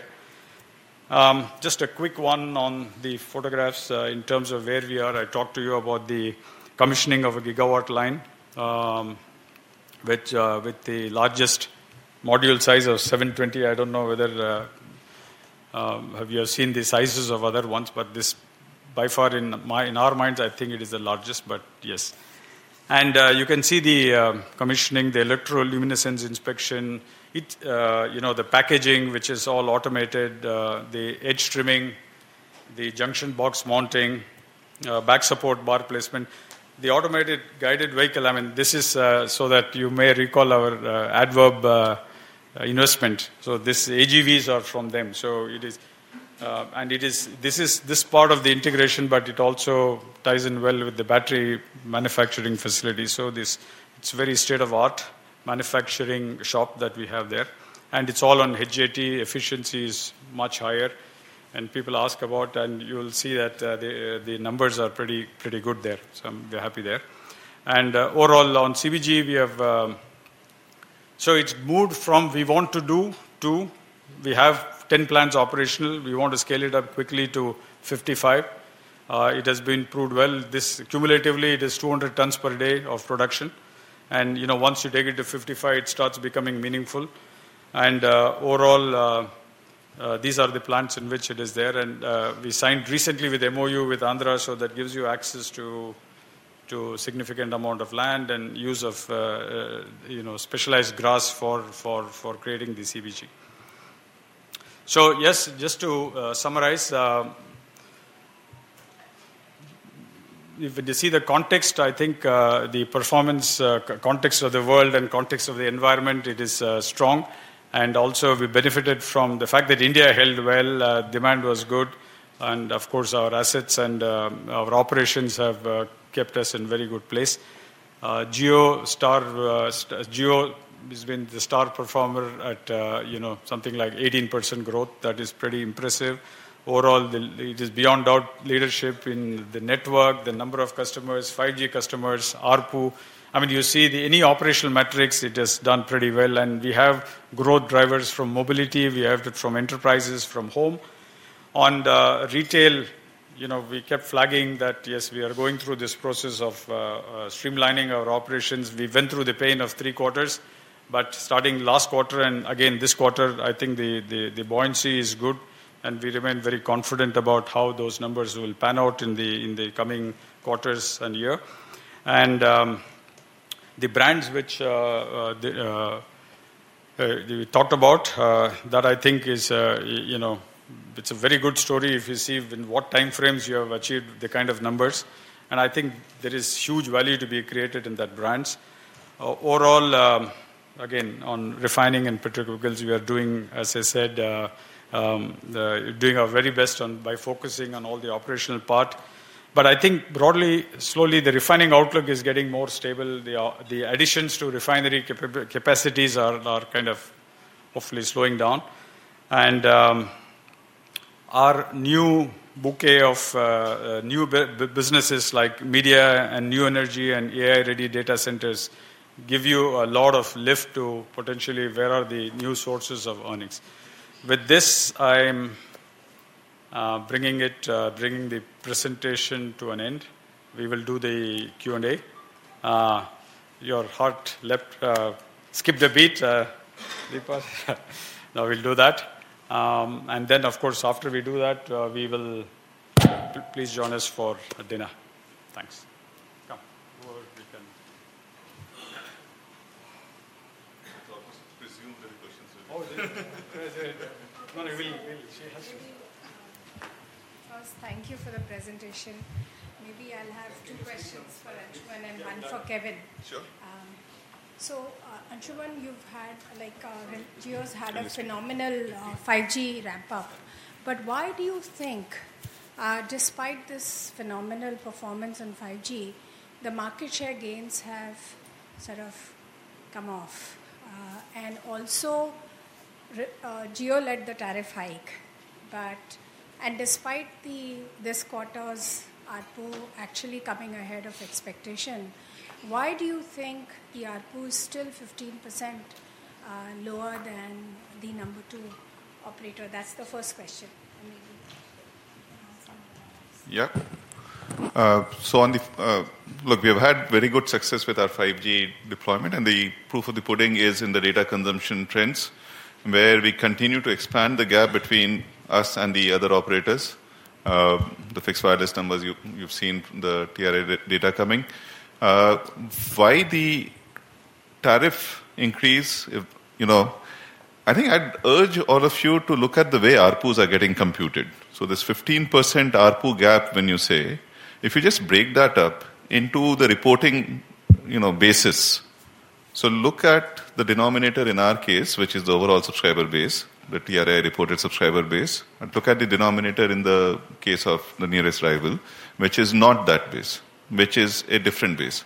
Just a quick one on the photographs in terms of where we are. I talked to you about the commissioning of a gigawatt line with the largest module size of 720. I don't know whether have you seen the sizes of other ones, but by far in our minds, I think it is the largest, yes. You can see the commissioning, the electroluminescence inspection, the packaging, which is all automated, the edge trimming, the junction box mounting, back support bar placement, the automated guided vehicle. I mean, this is so that you may recall our adverb investment. These AGVs are from them. This is this part of the integration, it also ties in well with the battery manufacturing facility. It is very state-of-the-art manufacturing shop that we have there. It is all on HJT. Efficiency is much higher. People ask about, and you will see that the numbers are pretty good there. We are happy there. Overall, on CBG, we have moved from we want to do to we have 10 plants operational. We want to scale it up quickly to 55. It has been proved well. Cumulatively, it is 200 tons per day of production. Once you take it to 55, it starts becoming meaningful. Overall, these are the plants in which it is there. We signed recently an MOU with Andhra. That gives you access to significant amount of land and use of specialized grass for creating the CBG. Yes, just to summarize, if you see the context, I think the performance context of the world and context of the environment, it is strong. Also, we benefited from the fact that India held well. Demand was good. Of course, our assets and our operations have kept us in very good place. JioStar has been the star performer at something like 18% growth. That is pretty impressive. Overall, it is beyond doubt leadership in the network, the number of customers, 5G customers, ARPU. I mean, you see any operational metrics, it has done pretty well. We have growth drivers from mobility. We have it from enterprises, from home. On retail, we kept flagging that, yes, we are going through this process of streamlining our operations. We went through the pain of three quarters, but starting last quarter and again this quarter, I think the buoyancy is good. We remain very confident about how those numbers will pan out in the coming quarters and year. The brands which we talked about, that I think is it's a very good story if you see in what time frames you have achieved the kind of numbers. I think there is huge value to be created in that brands. Overall, again, on refining and particularly because we are doing, as I said, doing our very best by focusing on all the operational part. I think broadly, slowly, the refining outlook is getting more stable. The additions to refinery capacities are kind of hopefully slowing down. Our new bouquet of new businesses like media and new energy and AI-ready data centers give you a lot of lift to potentially where are the new sources of earnings. With this, I'm bringing the presentation to an end. We will do the Q&A. Your heart left. Skip the beat. Now we'll do that. Of course, after we do that, please join us for dinner. Thanks. Come. We can. I'll just resume the questions. Oh, no, no. She has to. First, thank you for the presentation. Maybe I'll have two questions for Anshuman and one for Kevin. Sure. Anshuman, you've had Jio's had a phenomenal 5G ramp-up. Why do you think, despite this phenomenal performance on 5G, the market share gains have sort of come off? Also, Jio led the tariff hike. Despite this quarter's ARPU actually coming ahead of expectation, why do you think the ARPU is still 15% lower than the number two operator? That's the first question. Yep. Look, we have had very good success with our 5G deployment. The proof of the pudding is in the data consumption trends, where we continue to expand the gap between us and the other operators. The fixed wireless numbers, you've seen the TRA data coming. Why the tariff increase? I think I'd urge all of you to look at the way ARPUs are getting computed. This 15% ARPU gap, when you say, if you just break that up into the reporting basis, look at the denominator in our case, which is the overall subscriber base, the TRA reported subscriber base, and look at the denominator in the case of the nearest rival, which is not that base, which is a different base.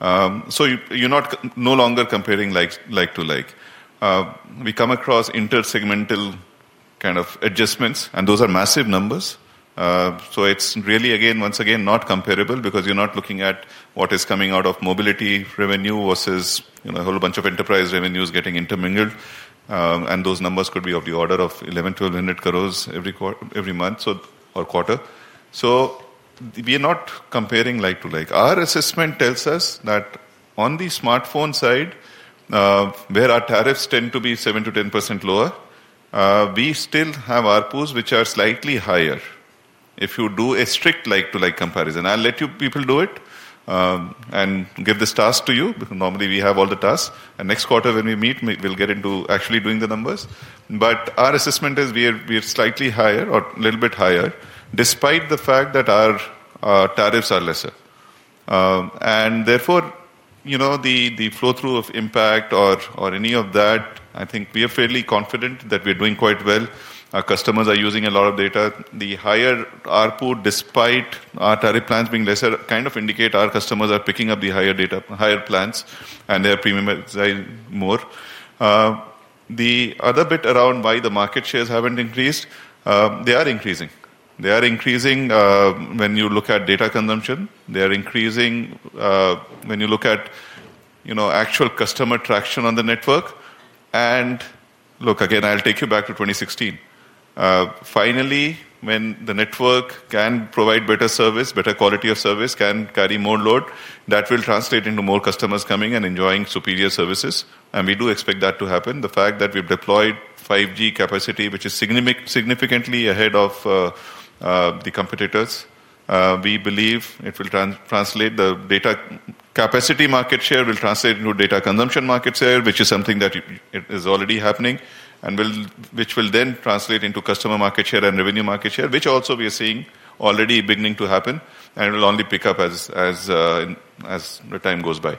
You are no longer comparing like to like. We come across intersegmental kind of adjustments, and those are massive numbers. It is really, again, once again, not comparable because you are not looking at what is coming out of mobility revenue versus a whole bunch of enterprise revenues getting intermingled. Those numbers could be of the order of 1,100-1,200 crores every month or quarter. We are not comparing like to like. Our assessment tells us that on the smartphone side, where our tariffs tend to be 7%-10% lower, we still have ARPUs which are slightly higher. If you do a strict like-to-like comparison, I will let you people do it and give this task to you. Normally, we have all the tasks. Next quarter, when we meet, we will get into actually doing the numbers. Our assessment is we are slightly higher or a little bit higher, despite the fact that our tariffs are lesser. Therefore, the flow-through of impact or any of that, I think we are fairly confident that we are doing quite well. Our customers are using a lot of data. The higher ARPU, despite our tariff plans being lesser, kind of indicate our customers are picking up the higher plans and their premium is more. The other bit around why the market shares have not increased, they are increasing. They are increasing when you look at data consumption. They are increasing when you look at actual customer traction on the network. Look, again, I will take you back to 2016. Finally, when the network can provide better service, better quality of service, can carry more load, that will translate into more customers coming and enjoying superior services. We do expect that to happen. The fact that we've deployed 5G capacity, which is significantly ahead of the competitors, we believe it will translate the data capacity market share, will translate into data consumption market share, which is something that is already happening, and which will then translate into customer market share and revenue market share, which also we are seeing already beginning to happen. It will only pick up as the time goes by.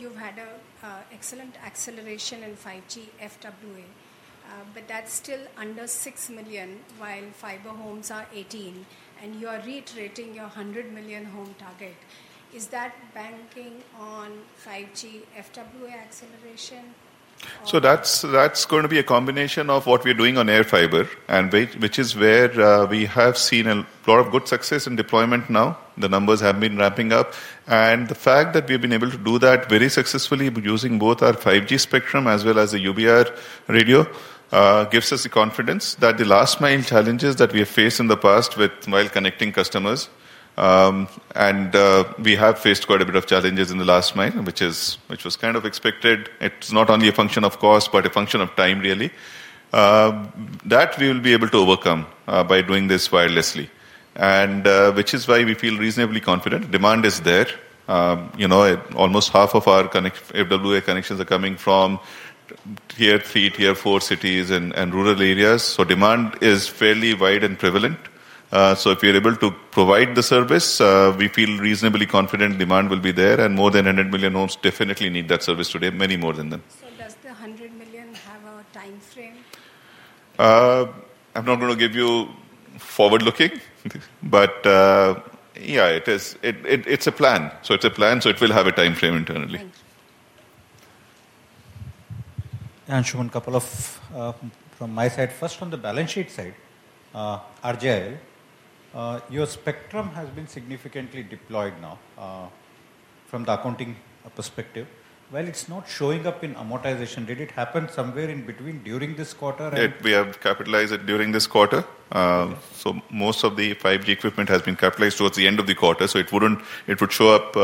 You've had an excellent acceleration in 5G FWA, but that's still under 6 million, while fiber homes are 18 million. You are reiterating your 100 million home target. Is that banking on 5G FWA acceleration? That is going to be a combination of what we are doing on AirFiber, which is where we have seen a lot of good success in deployment now. The numbers have been ramping up. The fact that we have been able to do that very successfully using both our 5G spectrum as well as the UBR radio gives us the confidence that the last-mile challenges that we have faced in the past while connecting customers, and we have faced quite a bit of challenges in the last mile, which was kind of expected. It is not only a function of cost, but a function of time, really, that we will be able to overcome by doing this wirelessly, which is why we feel reasonably confident. Demand is there. Almost half of our FWA connections are coming from tier three, tier four cities and rural areas. Demand is fairly wide and prevalent. If we are able to provide the service, we feel reasonably confident demand will be there. More than 100 million homes definitely need that service today, many more than them. Does the 100 million have a time frame? I'm not going to give you forward-looking, but yeah, it's a plan. It's a plan. It will have a time frame internally. Thank you. Anshuman, a couple of from my side. First, on the balance sheet side, RJIL, your spectrum has been significantly deployed now from the accounting perspective. While it's not showing up in amortization, did it happen somewhere in between during this quarter? We have capitalized it during this quarter. Most of the 5G equipment has been capitalized towards the end of the quarter. It would show up.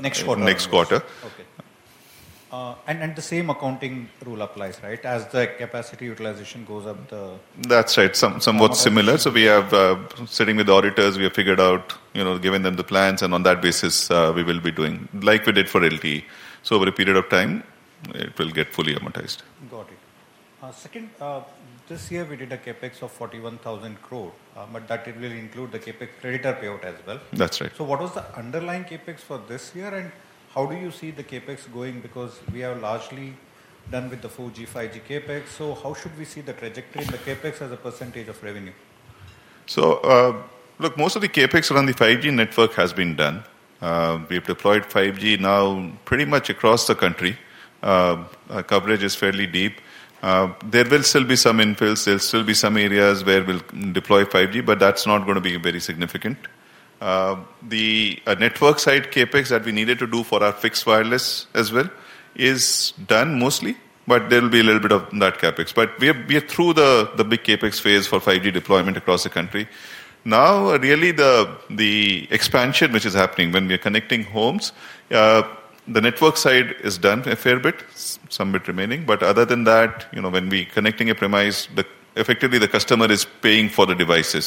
Next quarter. Next quarter. Okay. The same accounting rule applies, right? As the capacity utilization goes up, the. That's right. Somewhat similar. We are sitting with the auditors. We have figured out, given them the plans, and on that basis, we will be doing like we did for LTE. Over a period of time, it will get fully amortized. Got it. Second, this year, we did a CapEx of 41,000 crore, but that will include the CapEx creditor payout as well. That's right. What was the underlying CapEx for this year? How do you see the CapEx going? We are largely done with the 4G, 5G CapEx. How should we see the trajectory of the CapEx as a percentage of revenue? Look, most of the CapEx around the 5G network has been done. We have deployed 5G now pretty much across the country. Coverage is fairly deep. There will still be some infills. There'll still be some areas where we'll deploy 5G, but that's not going to be very significant. The network-side CapEx that we needed to do for our fixed wireless as well is done mostly, but there'll be a little bit of that CapEx. We are through the big CapEx phase for 5G deployment across the country. Now, really, the expansion which is happening when we are connecting homes, the network side is done a fair bit, some bit remaining. Other than that, when we are connecting a premise, effectively, the customer is paying for the devices.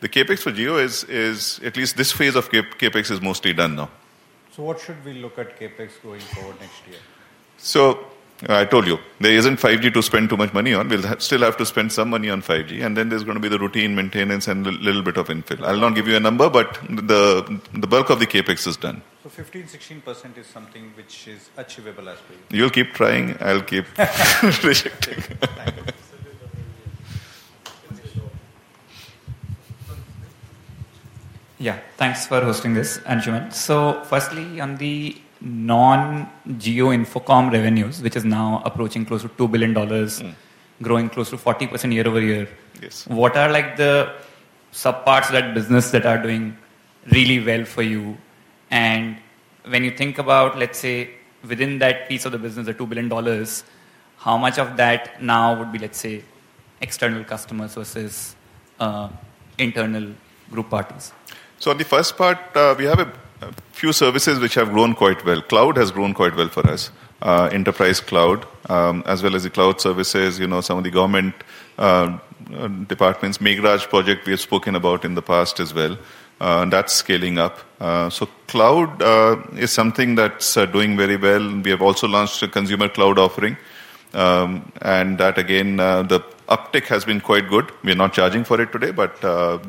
The CapEx for Jio is, at least this phase of CapEx, mostly done now. What should we look at CapEx going forward next year? I told you, there isn't 5G to spend too much money on. We'll still have to spend some money on 5G. Then there's going to be the routine maintenance and a little bit of infill. I'll not give you a number, but the bulk of the CapEx is done. 15%, 16% is something which is achievable as per you? You'll keep trying. I'll keep rejecting. Yeah. Thanks for hosting this, Anshuman. Firstly, on the non-Jio Infocomm revenues, which is now approaching close to $2 billion, growing close to 40% year over year, what are the subparts of that business that are doing really well for you? When you think about, let's say, within that piece of the business, the $2 billion, how much of that now would be, let's say, external customers versus internal group parties? On the first part, we have a few services which have grown quite well. Cloud has grown quite well for us, enterprise cloud, as well as the cloud services, some of the government departments, Miraj project we have spoken about in the past as well. That is scaling up. Cloud is something that is doing very well. We have also launched a consumer cloud offering. The uptake has been quite good. We are not charging for it today, but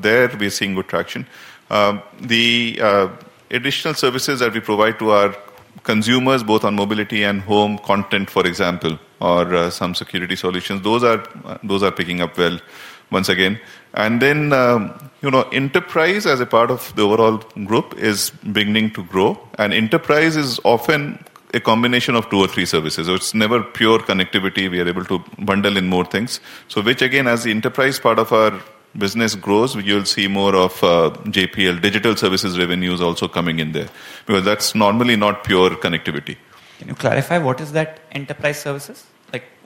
there we are seeing good traction. The additional services that we provide to our consumers, both on mobility and home content, for example, or some security solutions, those are picking up well, once again. Enterprise, as a part of the overall group, is beginning to grow. Enterprise is often a combination of two or three services. It is never pure connectivity. We are able to bundle in more things. Which, again, as the enterprise part of our business grows, you'll see more of JPL digital services revenues also coming in there. That's normally not pure connectivity. Can you clarify what is that enterprise services?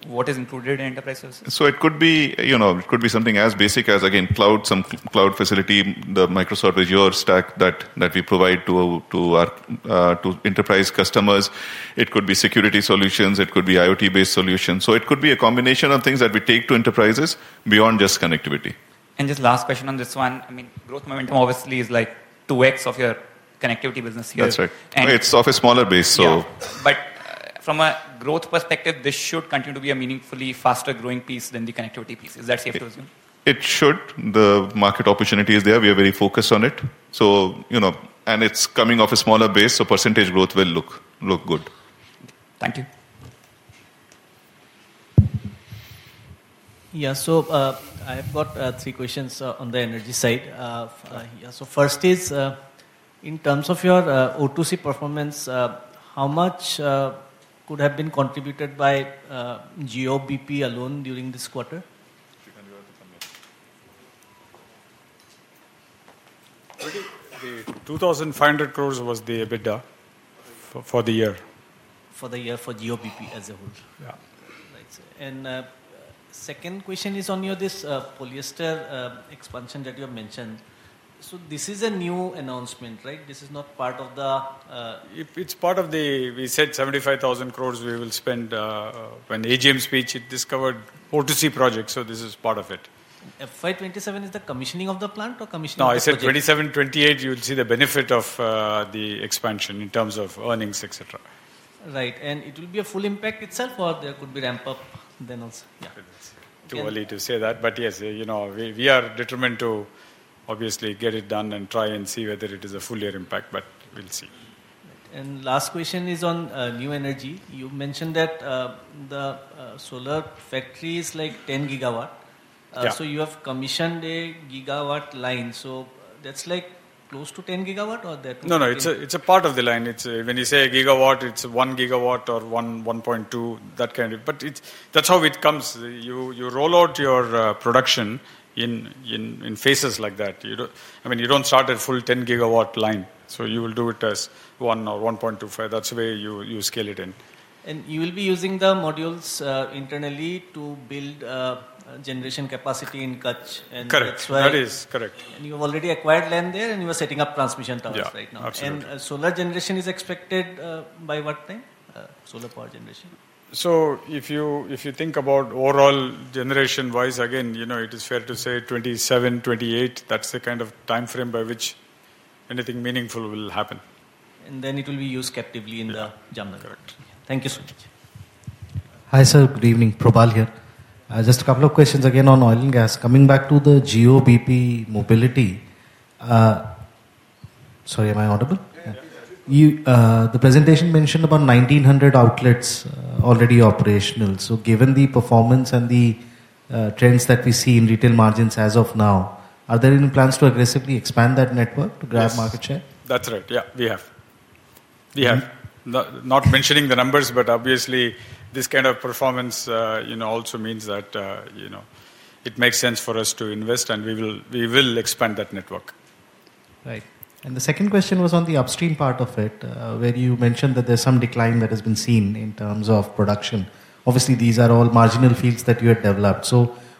What is included in enterprise services? It could be something as basic as, again, cloud, some cloud facility, the Microsoft Azure stack that we provide to enterprise customers. It could be security solutions. It could be IoT-based solutions. It could be a combination of things that we take to enterprises beyond just connectivity. Just last question on this one. I mean, growth momentum obviously is like 2x of your connectivity business here. That's right. It's off a smaller base, so. From a growth perspective, this should continue to be a meaningfully faster growing piece than the connectivity piece. Is that safe to assume? It should. The market opportunity is there. We are very focused on it. It is coming off a smaller base. Percentage growth will look good. Thank you. Yeah. I've got three questions on the energy side. First is, in terms of your O2C performance, how much could have been contributed by Jio BP alone during this quarter? 2,500 crores was the EBITDA for the year. For the year for Jio BP as a whole. Yeah. Second question is on your this polyester expansion that you have mentioned. This is a new announcement, right? This is not part of the. It's part of the, we said 75,000 crores we will spend when AGM speech, it discovered O2C projects. This is part of it. FY 2027 is the commissioning of the plant or commissioning of the project? No, I said 2027, 2028, you'll see the benefit of the expansion in terms of earnings, etc. Right. It will be a full impact itself, or there could be ramp-up then also? Too early to say that. Yes, we are determined to obviously get it done and try and see whether it is a full-year impact, but we'll see. Last question is on new energy. You mentioned that the solar factory is like 10 GW. You have commissioned a gigawatt line. That's like close to 10 GW or that? No, no. It's a part of the line. When you say a gigawatt, it's 1 gigawatt or 1.2, that kind of. That's how it comes. You roll out your production in phases like that. I mean, you don't start a full 10 GW line. You will do it as 1 or 1.25. That's the way you scale it in. You will be using the modules internally to build generation capacity in Kutch. Correct. That is correct. You have already acquired land there, and you are setting up transmission towers right now. Yes. Absolutely. Solar generation is expected by what time? Solar power generation? If you think about overall generation-wise, again, it is fair to say 2027, 2028. That's the kind of time frame by which anything meaningful will happen. It will be used captively in the jungle. Correct. Thank you so much. Hi, sir. Good evening. Prabhal here. Just a couple of questions again on oil and gas. Coming back to the Jio BP mobility, sorry, am I audible? The presentation mentioned about 1,900 outlets already operational. Given the performance and the trends that we see in retail margins as of now, are there any plans to aggressively expand that network to grab market share? That's right. Yeah, we have. We have. Not mentioning the numbers, but obviously, this kind of performance also means that it makes sense for us to invest, and we will expand that network. Right. The second question was on the upstream part of it, where you mentioned that there is some decline that has been seen in terms of production. Obviously, these are all marginal fields that you had developed.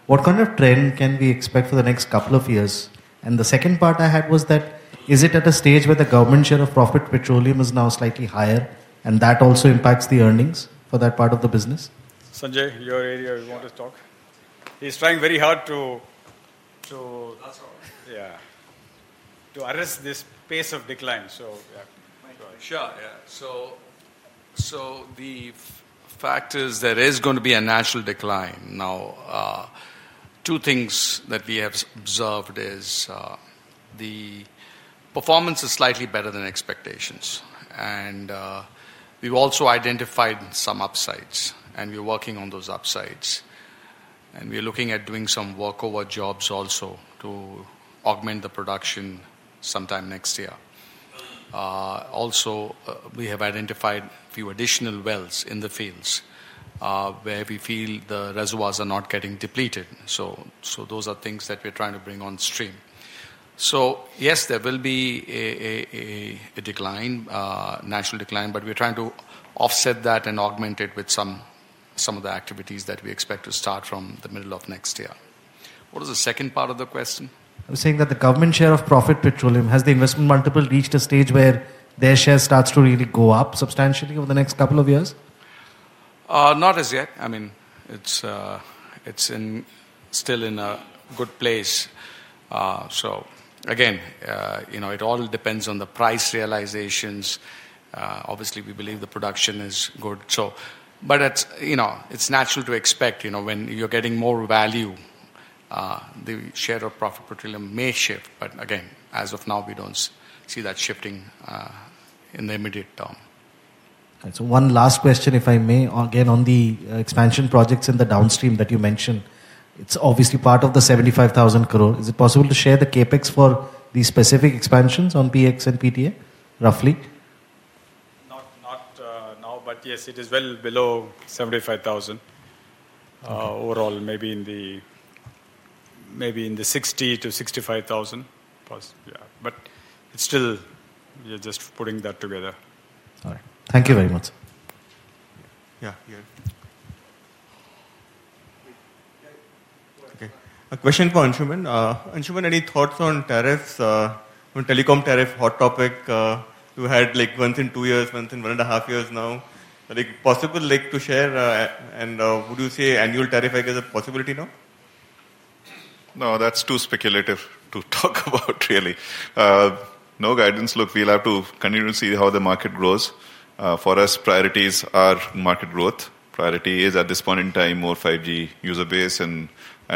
What kind of trend can we expect for the next couple of years? The second part I had was that, is it at a stage where the government share of profit petroleum is now slightly higher, and that also impacts the earnings for that part of the business? Sanjay, your area, you want to talk? He's trying very hard to. That's all. Yeah. To arrest this pace of decline. Yeah. Sure. Yeah. The fact is there is going to be a natural decline. Two things that we have observed are the performance is slightly better than expectations, and we've also identified some upsides. We're working on those upsides, and we're looking at doing some workover jobs also to augment the production sometime next year. We have identified a few additional wells in the fields where we feel the reservoirs are not getting depleted. Those are things that we're trying to bring on stream. Yes, there will be a decline, a natural decline, but we're trying to offset that and augment it with some of the activities that we expect to start from the middle of next year. What was the second part of the question? I was saying that the government share of profit petroleum, has the investment multiple reached a stage where their share starts to really go up substantially over the next couple of years? Not as yet. I mean, it's still in a good place. It all depends on the price realizations. Obviously, we believe the production is good. But it's natural to expect when you're getting more value, the share of profit petroleum may shift. Again, as of now, we don't see that shifting in the immediate term. One last question, if I may, again, on the expansion projects in the downstream that you mentioned. It's obviously part of the 75,000 crore. Is it possible to share the CapEx for these specific expansions on PX and PTA, roughly? Not now, but yes, it is well below 75,000. Overall, maybe in the 60,000-65,000. It is still, we are just putting that together. All right. Thank you very much. Yeah. A question for Anshuman. Anshuman, any thoughts on tariffs? Telecom tariff, hot topic. You had once in two years, once in one and a half years now. Possible to share? Would you say annual tariff, I guess, a possibility now? No, that's too speculative to talk about, really. No, guidance, look, we'll have to continue to see how the market grows. For us, priorities are market growth. Priority is, at this point in time, more 5G user base and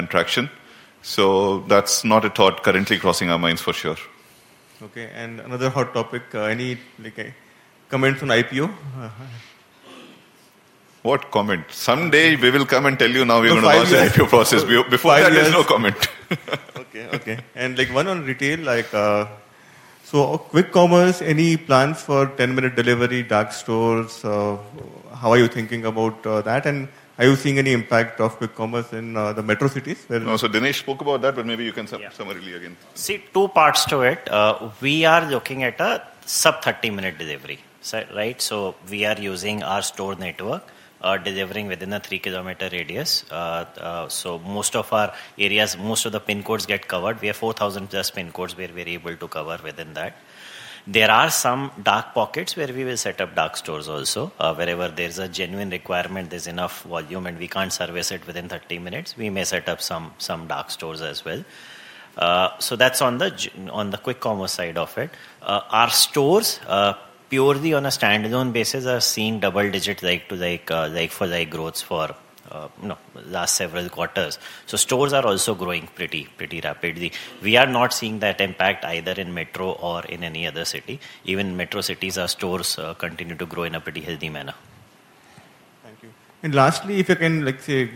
traction. That's not a thought currently crossing our minds for sure. Okay. Another hot topic, any comments on IPO? What comment? Someday we will come and tell you now we're going to launch the IPO process. Before that, there's no comment. Okay. Okay. One on retail, Quick Commerce, any plans for 10-minute delivery, DAC stores? How are you thinking about that? Are you seeing any impact of Quick Commerce in the metro cities? No. Dinesh spoke about that, but maybe you can summary again. See, two parts to it. We are looking at a sub-30-minute delivery, right? We are using our store network, delivering within a 3 km radius. Most of our areas, most of the pin codes get covered. We have 4,000+ pin codes we are able to cover within that. There are some dark pockets where we will set up DAC stores also. Wherever there is a genuine requirement, there is enough volume, and we cannot service it within 30 minutes, we may set up some DAC stores as well. That is on the Quick Commerce side of it. Our stores, purely on a standalone basis, are seeing double-digit growth for the last several quarters. Stores are also growing pretty rapidly. We are not seeing that impact either in metro or in any other city. Even metro cities, our stores continue to grow in a pretty healthy manner. Thank you. Lastly, if you can, let's say,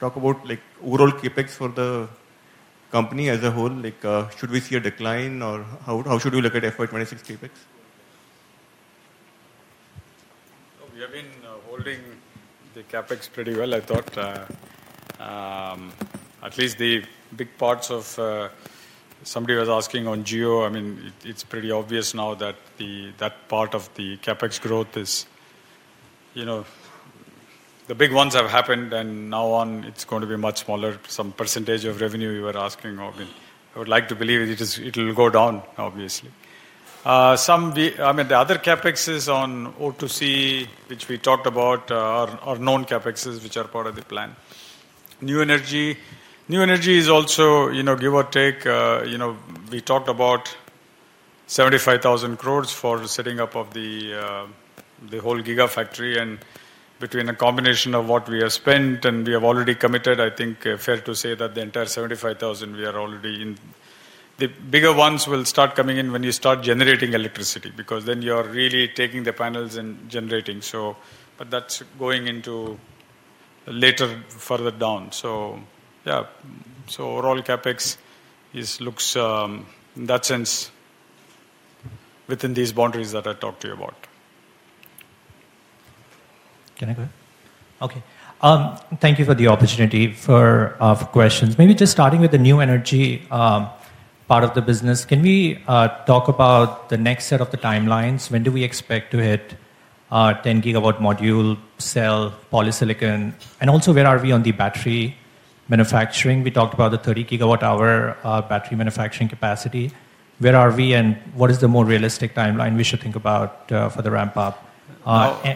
talk about overall CapEx for the company as a whole. Should we see a decline, or how should we look at FY 2026 CapEx? We have been holding the CapEx pretty well, I thought. At least the big parts of somebody was asking on Jio. I mean, it's pretty obvious now that that part of the CapEx growth is the big ones have happened, and now on, it's going to be much smaller. Some percentage of revenue you were asking of, I would like to believe it will go down, obviously. I mean, the other CapExs on O2C, which we talked about, are known CapExs which are part of the plan. New energy. New energy is also, give or take, we talked about 75,000 crore for setting up of the whole giga factory. And between a combination of what we have spent and we have already committed, I think fair to say that the entire 75,000 crore we are already in. The bigger ones will start coming in when you start generating electricity because then you're really taking the panels and generating. That is going into later, further down. Yeah. Overall, CapEx looks in that sense within these boundaries that I talked to you about. Can I go? Okay. Thank you for the opportunity for questions. Maybe just starting with the new energy part of the business, can we talk about the next set of the timelines? When do we expect to hit 10-gigawatt module cell, polysilicon? Also, where are we on the battery manufacturing? We talked about the 30-gigawatt-hour battery manufacturing capacity. Where are we, and what is the more realistic timeline we should think about for the ramp-up?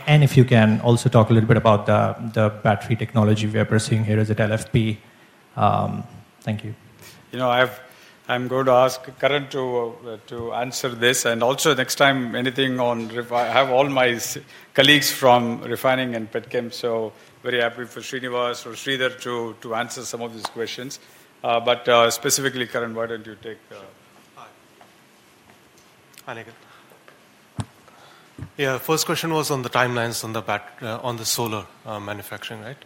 If you can also talk a little bit about the battery technology we are pursuing here as a LFP. Thank you. I'm going to ask Karan to answer this. Also, next time, anything on, I have all my colleagues from Refining and Petchem. Very happy for Srinivas or Sridhar to answer some of these questions. Specifically, Karan, why don't you take? Hi. Hi. Yeah. First question was on the timelines on the solar manufacturing, right?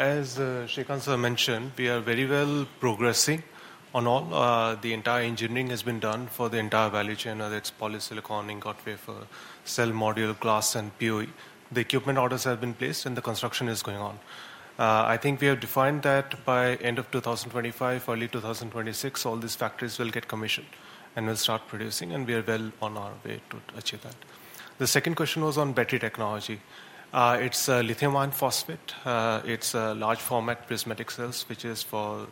As Shrikanth mentioned, we are very well progressing on all. The entire engineering has been done for the entire value chain, whether it's polysilicon, ingot wafer, cell module, glass, and POE. The equipment orders have been placed, and the construction is going on. I think we have defined that by end of 2025, early 2026, all these factories will get commissioned and will start producing, and we are well on our way to achieve that. The second question was on battery technology. It's lithium iron phosphate. It's large-format prismatic cells, which is for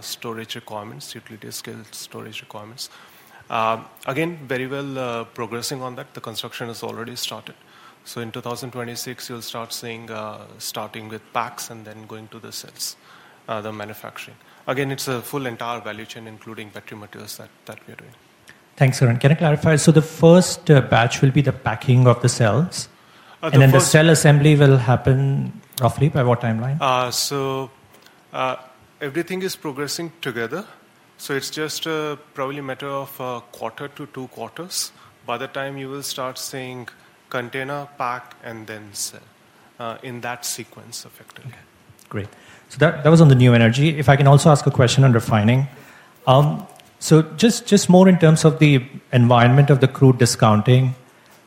storage requirements, utility-scale storage requirements. Again, very well progressing on that. The construction has already started. In 2026, you'll start seeing starting with packs and then going to the cells, the manufacturing. Again, it's a full entire value chain, including battery materials that we are doing. Thanks, Karan. Can I clarify? The first batch will be the packing of the cells. And then the cell assembly will happen roughly by what timeline? Everything is progressing together. It's just probably a matter of a quarter to two quarters. By the time you will start seeing container, pack, and then cell in that sequence, effectively. Okay. Great. That was on the new energy. If I can also ask a question on refining. Just more in terms of the environment of the crude discounting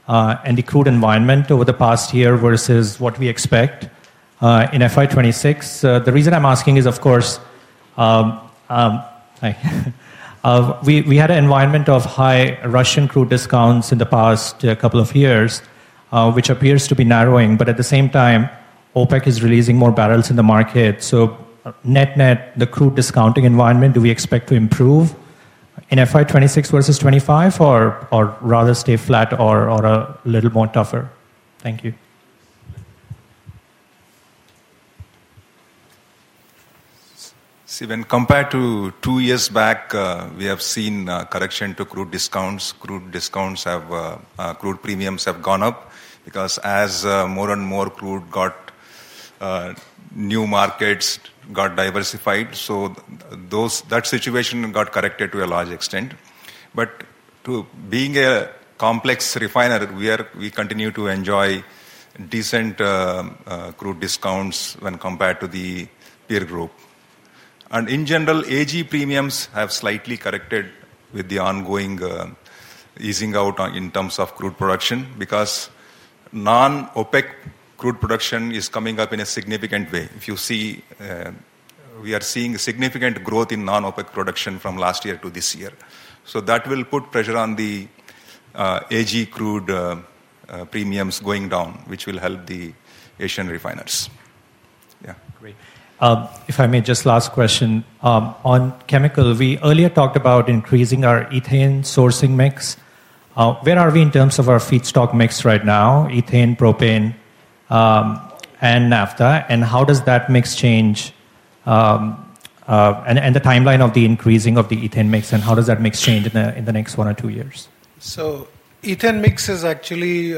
and the crude environment over the past year versus what we expect in FY 2026. The reason I'm asking is, of course, we had an environment of high Russian crude discounts in the past couple of years, which appears to be narrowing. At the same time, OPEC is releasing more barrels in the market. Net-net, the crude discounting environment, do we expect to improve in FY 2026 versus 2025, or rather stay flat or a little more tougher? Thank you. See, when compared to two years back, we have seen a correction to crude discounts. Crude premiums have gone up because as more and more crude got new markets, got diversified. That situation got corrected to a large extent. Being a complex refiner, we continue to enjoy decent crude discounts when compared to the peer group. In general, AG premiums have slightly corrected with the ongoing easing out in terms of crude production because non-OPEC crude production is coming up in a significant way. We are seeing significant growth in non-OPEC production from last year to this year. That will put pressure on the AG crude premiums going down, which will help the Asian refiners. Yeah. Great. If I may, just last question. On chemical, we earlier talked about increasing our ethane sourcing mix. Where are we in terms of our feedstock mix right now? Ethane, propane, and naphtha. How does that mix change? The timeline of the increasing of the ethane mix, and how does that mix change in the next one or two years? Ethane mix is actually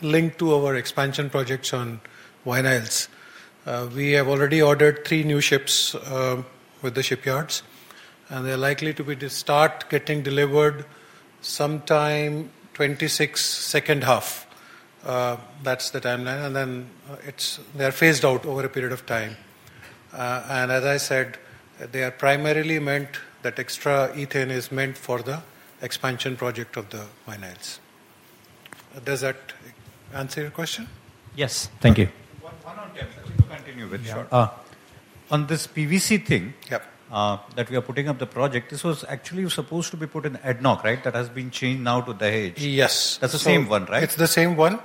linked to our expansion projects on wine aisles. We have already ordered three new ships with the shipyards. They are likely to start getting delivered sometime 2026, second half. That is the timeline. They are phased out over a period of time. As I said, they are primarily meant, that extra ethane is meant for the expansion project of the wine aisles. Does that answer your question? Yes. Thank you. I think we'll continue with short. On this PVC thing that we are putting up the project, this was actually supposed to be put in ADNOC, right? That has been changed now to Dahej. Yes. That's the same one, right? It's the same one.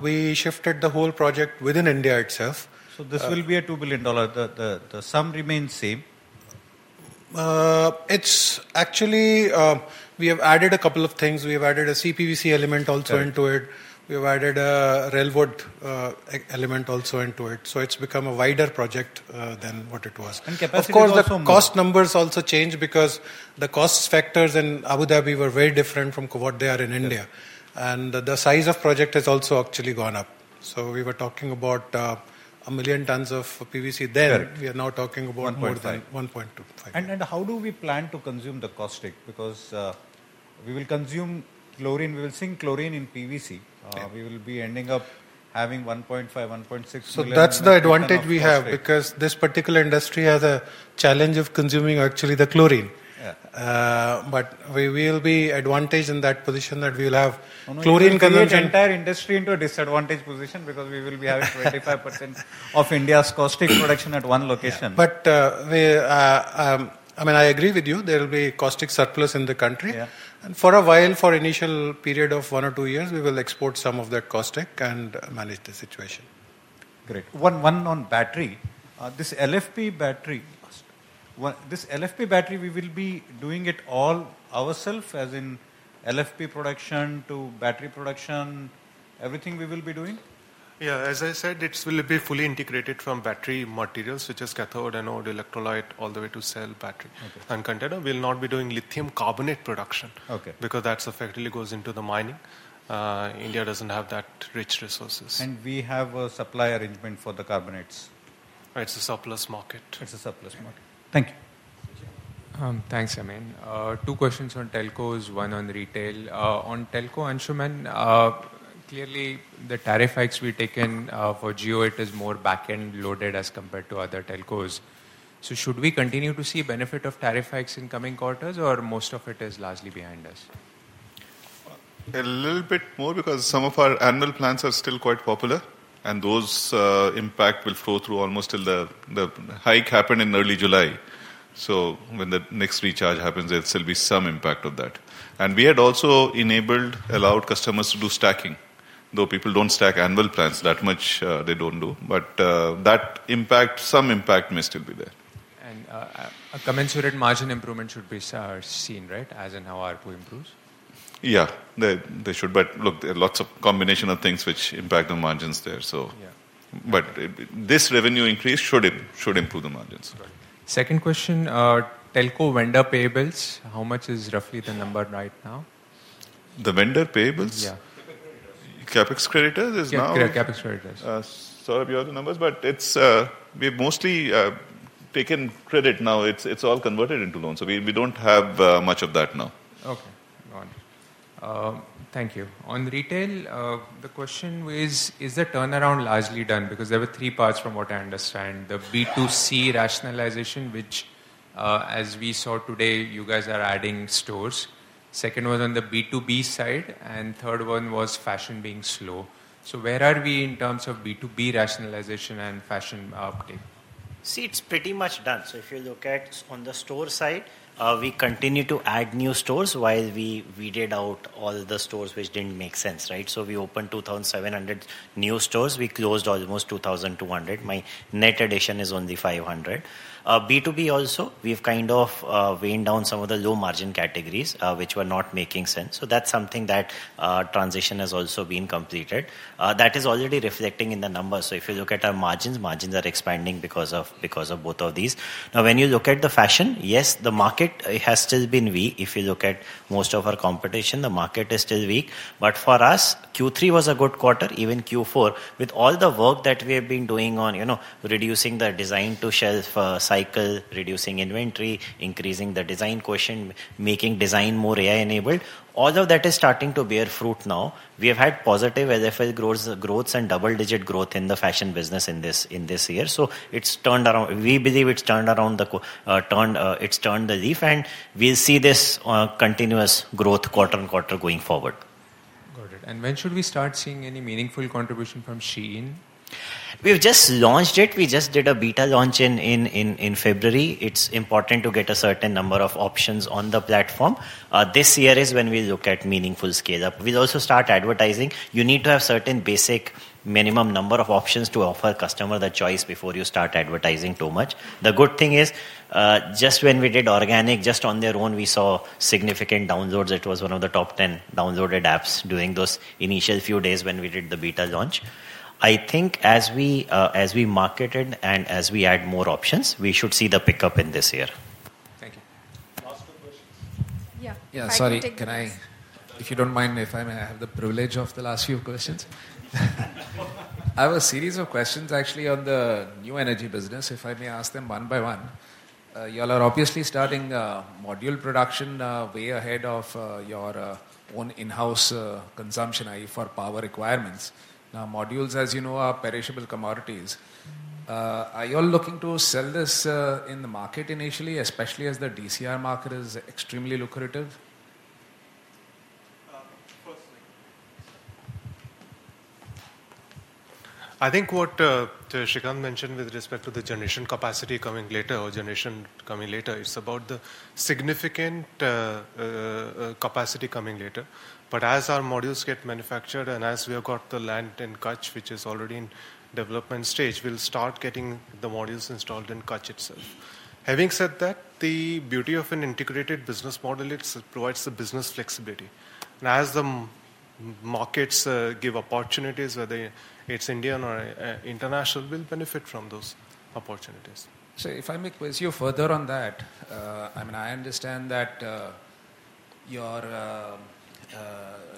We shifted the whole project within India itself. This will be a $2 billion. The sum remains same. Actually, we have added a couple of things. We have added a CPVC element also into it. We have added a railwood element also into it. It has become a wider project than what it was. Capacity is also more. Of course, the cost numbers also changed because the cost factors in Abu Dhabi were very different from what they are in India. The size of project has also actually gone up. We were talking about a million tons of PVC then. We are now talking about more than 1.25. How do we plan to consume the caustic? Because we will consume chlorine. We will sink chlorine in PVC. We will be ending up having 1.5, 1.6 million. That's the advantage we have because this particular industry has a challenge of consuming actually the chlorine. We will be advantaged in that position that we will have chlorine conversion. You will push the entire industry into a disadvantage position because we will be having 25% of India's caustic production at one location. I mean, I agree with you. There will be caustic surplus in the country. For a while, for an initial period of one or two years, we will export some of that caustic and manage the situation. Great. One on battery. This LFP battery, this LFP battery, we will be doing it all ourself, as in LFP production to battery production, everything we will be doing? Yeah. As I said, it will be fully integrated from battery materials, which is cathode and old electrolyte all the way to cell battery. Container will not be doing lithium carbonate production because that effectively goes into the mining. India does not have that rich resources. We have a supply arrangement for the carbonates. It's a surplus market. It's a surplus market. Thank you. Thanks. Two questions on telcos, one on retail. On telco, Anshuman, clearly the tariff hikes we've taken for Jio, it is more back-end loaded as compared to other telcos. Should we continue to see benefit of tariff hikes in coming quarters, or most of it is largely behind us? A little bit more because some of our annual plans are still quite popular, and those impacts will flow through almost till the hike happened in early July. When the next recharge happens, there will still be some impact of that. We had also enabled, allowed customers to do stacking, though people do not stack annual plans that much. They do not do. That impact, some impact may still be there. A commensurate margin improvement should be seen, right? As in how ARPU improves? Yeah. They should. Look, there are lots of combination of things which impact the margins there. This revenue increase should improve the margins. Second question. Telco vendor payables, how much is roughly the number right now? The vendor payables? Yeah. CapEx creditors is now. CapEx creditors. Sorry, you have the numbers, but we've mostly taken credit now. It's all converted into loans. We don't have much of that now. Okay. Got it. Thank you. On retail, the question is, is the turnaround largely done? Because there were three parts from what I understand. The B2C rationalization, which, as we saw today, you guys are adding stores. Second one on the B2B side, and third one was fashion being slow. Where are we in terms of B2B rationalization and fashion update? See, it's pretty much done. If you look at on the store side, we continue to add new stores while we weeded out all the stores which didn't make sense, right? We opened 2,700 new stores. We closed almost 2,200. My net addition is only 500. B2B also, we've kind of weighed down some of the low margin categories which were not making sense. That transition has also been completed. That is already reflecting in the numbers. If you look at our margins, margins are expanding because of both of these. Now, when you look at the fashion, yes, the market has still been weak. If you look at most of our competition, the market is still weak. For us, Q3 was a good quarter, even Q4, with all the work that we have been doing on reducing the design-to-shelf cycle, reducing inventory, increasing the design quotient, making design more AI-enabled. All of that is starting to bear fruit now. We have had positive LFL growths and double-digit growth in the fashion business in this year. So it's turned around. We believe it's turned around the leaf, and we'll see this continuous growth quarter on quarter going forward. Got it. When should we start seeing any meaningful contribution from SHEIN? We've just launched it. We just did a beta launch in February. It's important to get a certain number of options on the platform. This year is when we look at meaningful scale-up. We'll also start advertising. You need to have certain basic minimum number of options to offer customer the choice before you start advertising too much. The good thing is, just when we did organic, just on their own, we saw significant downloads. It was one of the top 10 downloaded apps during those initial few days when we did the beta launch. I think as we marketed and as we add more options, we should see the pickup in this year. Thank you. Last two questions. Yeah. Yeah. Sorry. If you don't mind, if I may, I have the privilege of the last few questions. I have a series of questions, actually, on the new energy business, if I may ask them one by one. You all are obviously starting module production way ahead of your own in-house consumption, i.e., for power requirements. Now, modules, as you know, are perishable commodities. Are you all looking to sell this in the market initially, especially as the DCR market is extremely lucrative? I think what Shrikanth mentioned with respect to the generation capacity coming later, or generation coming later, it's about the significant capacity coming later. As our modules get manufactured and as we have got the land in Kutch, which is already in development stage, we'll start getting the modules installed in Kutch itself. Having said that, the beauty of an integrated business model, it provides the business flexibility. As the markets give opportunities, whether it's Indian or international, we'll benefit from those opportunities. If I may quiz you further on that, I mean, I understand that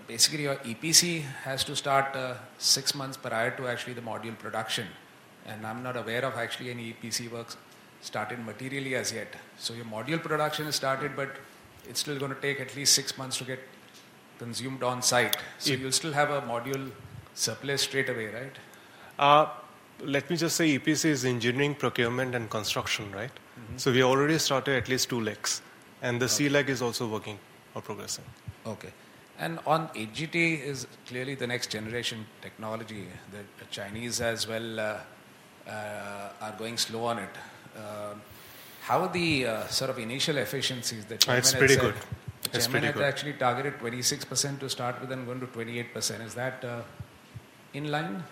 basically your EPC has to start six months prior to actually the module production. I'm not aware of actually any EPC work started materially as yet. Your module production has started, but it's still going to take at least six months to get consumed on site. You'll still have a module surplus straight away, right? Let me just say EPC is engineering, procurement, and construction, right? We already started at least two legs. The C leg is also working or progressing. Okay. On AGT, it is clearly the next generation technology that the Chinese as well are going slow on. How are the sort of initial efficiencies that you're talking about? It's pretty good. You had actually targeted 26% to start with and going to 28%. Is that in line?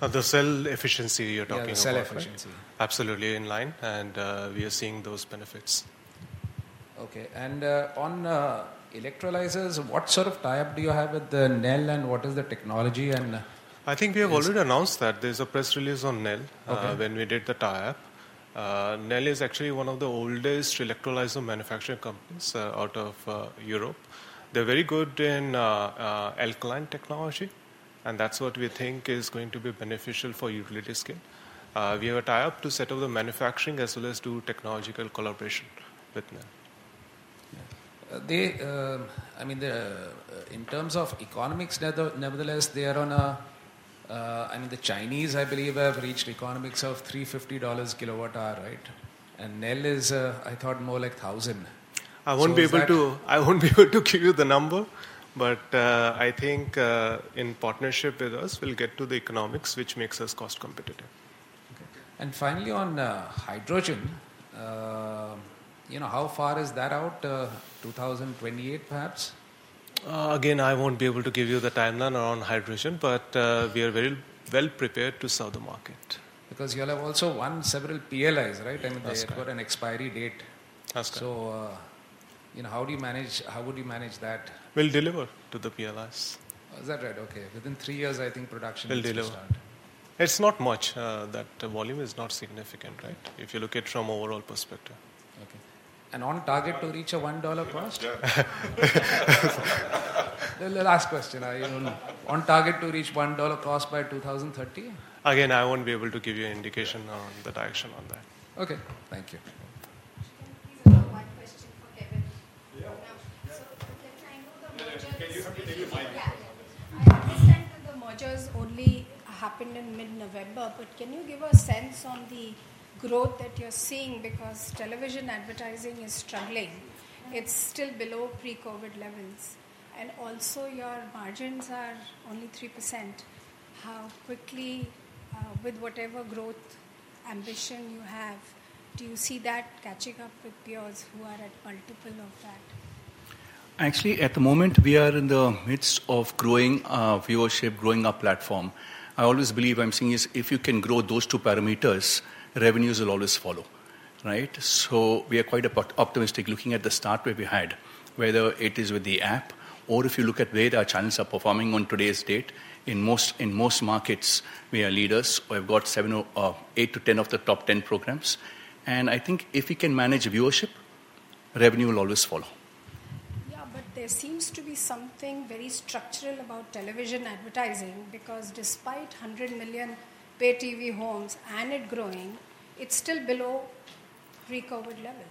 The cell efficiency you're talking about. Yeah, cell efficiency. Absolutely in line. We are seeing those benefits. Okay. On electrolyzers, what sort of tie-up do you have with Nel and what is the technology? I think we have already announced that there's a press release on Nel when we did the tie-up. Nel is actually one of the oldest electrolyzer manufacturing companies out of Europe. They're very good in alkaline technology. That is what we think is going to be beneficial for utility scale. We have a tie-up to set up the manufacturing as well as do technological collaboration with Nel. I mean, in terms of economics, nevertheless, they are on a, I mean, the Chinese, I believe, have reached economics of $350 per kilowatt-hour, right? And Nel is, I thought, more like $1,000. I won't be able to give you the number, but I think in partnership with us, we'll get to the economics, which makes us cost competitive. Okay. Finally, on hydrogen, how far is that out? 2028, perhaps? Again, I won't be able to give you the timeline around hydrogen, but we are very well prepared to sell the market. Because you all have also won several PLIs, right? I mean, they got an expiry date. That's correct. How do you manage, how would you manage that? We'll deliver to the PLIs. Is that right? Okay. Within three years, I think production will start. We'll deliver. It's not much. That volume is not significant, right? If you look at it from overall perspective. Okay. On target to reach a $1 cost? Yeah. Last question. On target to reach $1 cost by 2030? Again, I won't be able to give you an indication on the direction on that. Okay. Thank you. Can I ask one question for Kevin? Can you know the mergers? I understand that the mergers only happened in mid-November, but can you give a sense on the growth that you're seeing? Because television advertising is struggling. It's still below pre-COVID levels. Also, your margins are only 3%. How quickly, with whatever growth ambition you have, do you see that catching up with peers who are at multiple of that? Actually, at the moment, we are in the midst of growing viewership, growing our platform. I always believe, I'm saying, is if you can grow those two parameters, revenues will always follow, right? We are quite optimistic looking at the start where we had, whether it is with the app or if you look at where our channels are performing on today's date. In most markets, we are leaders. We have got eight to 10 of the top ten programs. I think if we can manage viewership, revenue will always follow. Yeah, but there seems to be something very structural about television advertising because despite 100 million pay-TV homes and it growing, it's still below pre-COVID level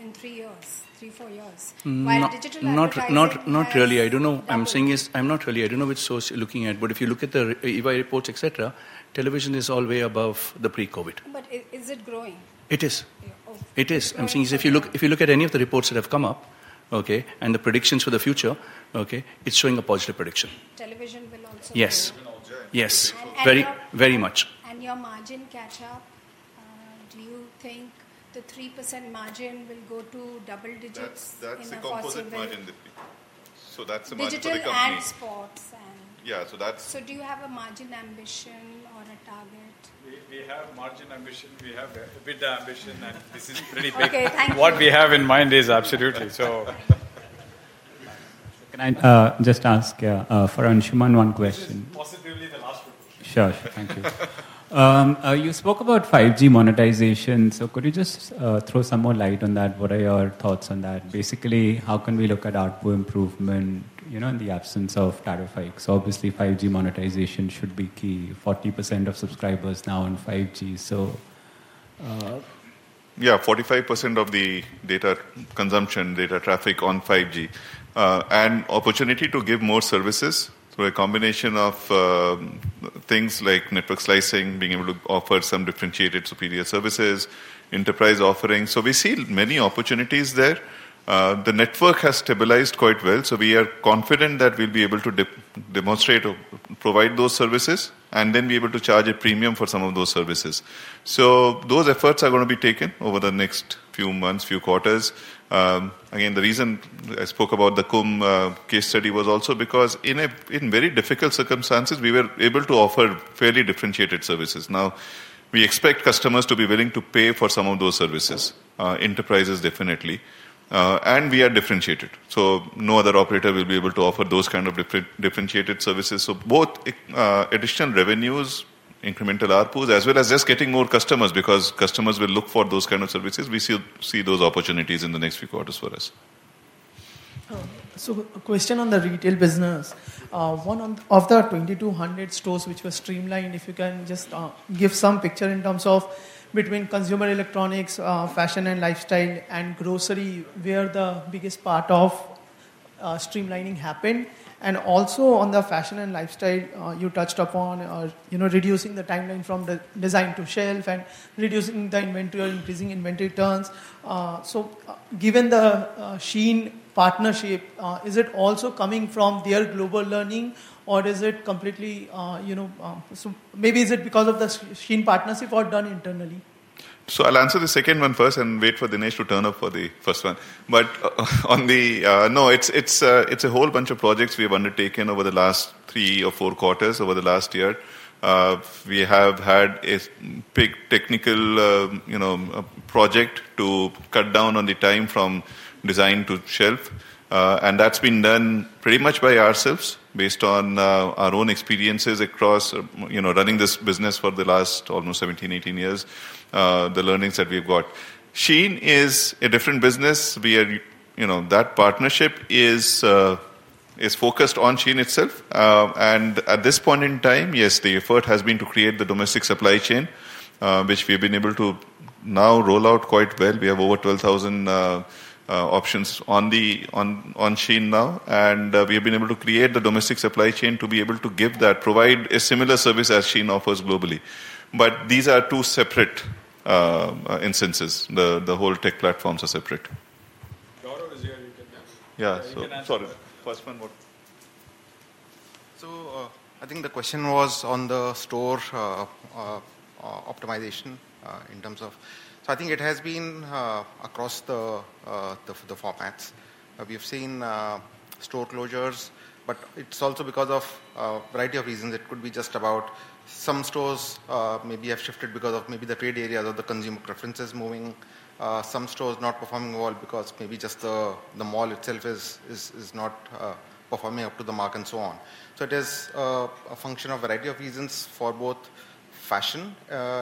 in three years, three, four years. While digital advertising... Not really. I don't know. What I'm saying is I'm not really. I don't know which source you're looking at, but if you look at the EY reports, etc., television is all way above the pre-COVID. Is it growing? I'm saying is if you look at any of the reports that have come up, okay, and the predictions for the future, okay, it's showing a positive prediction. Television will also grow. Yes. Yes. Very much. Your margin catch-up, do you think the 3% margin will go to double digits in the positive? That's the margin for the company. Digital ad sports and... Yeah. So that's... Do you have a margin ambition or a target? We have margin ambition. We have EBITDA ambition, and this is pretty big. Okay. Thank you. What we have in mind is absolutely. So... Can I just ask for Anshuman one question? Positively the last one. Sure. Thank you. You spoke about 5G monetization. Could you just throw some more light on that? What are your thoughts on that? Basically, how can we look at ARPU improvement in the absence of tariff hikes? Obviously, 5G monetization should be key. 40% of subscribers now on 5G, so... Yeah. 45% of the data consumption, data traffic on 5G. Opportunity to give more services through a combination of things like network slicing, being able to offer some differentiated superior services, enterprise offerings. We see many opportunities there. The network has stabilized quite well. We are confident that we'll be able to demonstrate, provide those services, and then be able to charge a premium for some of those services. Those efforts are going to be taken over the next few months, few quarters. The reason I spoke about the Kumbh case study was also because in very difficult circumstances, we were able to offer fairly differentiated services. Now, we expect customers to be willing to pay for some of those services. Enterprises, definitely. We are differentiated. No other operator will be able to offer those kind of differentiated services. Both additional revenues, incremental ARPUs, as well as just getting more customers because customers will look for those kind of services, we see those opportunities in the next few quarters for us. A question on the retail business. One of the 2,200 stores which were streamlined, if you can just give some picture in terms of between consumer electronics, fashion and lifestyle, and grocery, where the biggest part of streamlining happened. Also on the fashion and lifestyle, you touched upon reducing the timeline from design to shelf and reducing the inventory or increasing inventory turns. Given the SHEIN partnership, is it also coming from their global learning, or is it completely maybe is it because of the SHEIN partnership or done internally? I'll answer the second one first and wait for Dinesh to turn up for the first one. On the no, it's a whole bunch of projects we have undertaken over the last three or four quarters over the last year. We have had a big technical project to cut down on the time from design to shelf. That's been done pretty much by ourselves based on our own experiences across running this business for the last almost 17, 18 years, the learnings that we've got. SHEIN is a different business. That partnership is focused on SHEIN itself. At this point in time, yes, the effort has been to create the domestic supply chain, which we have been able to now roll out quite well. We have over 12,000 options on SHEIN now. We have been able to create the domestic supply chain to be able to give that, provide a similar service as SHEIN offers globally. These are two separate instances. The whole tech platforms are separate. Doro is here. You can answer. Yeah. Sorry. First, one more. I think the question was on the store optimization in terms of, I think it has been across the formats. We have seen store closures, but it's also because of a variety of reasons. It could be just about some stores maybe have shifted because of maybe the trade areas or the consumer preferences moving. Some stores not performing well because maybe just the mall itself is not performing up to the mark and so on. It is a function of a variety of reasons for both fashion,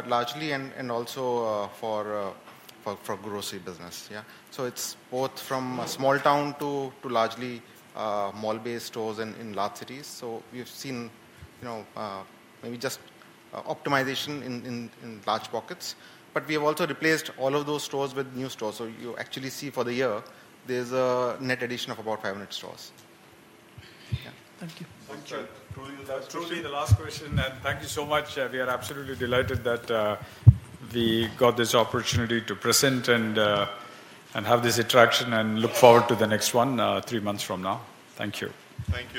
largely, and also for grocery business, yeah? It is both from a small town to largely mall-based stores in large cities. We have seen maybe just optimization in large pockets. We have also replaced all of those stores with new stores. You actually see for the year, there is a net addition of about 500 stores. Yeah. Thank you. That's truly the last question. Thank you so much. We are absolutely delighted that we got this opportunity to present and have this interaction and look forward to the next one three months from now. Thank you. Thank you.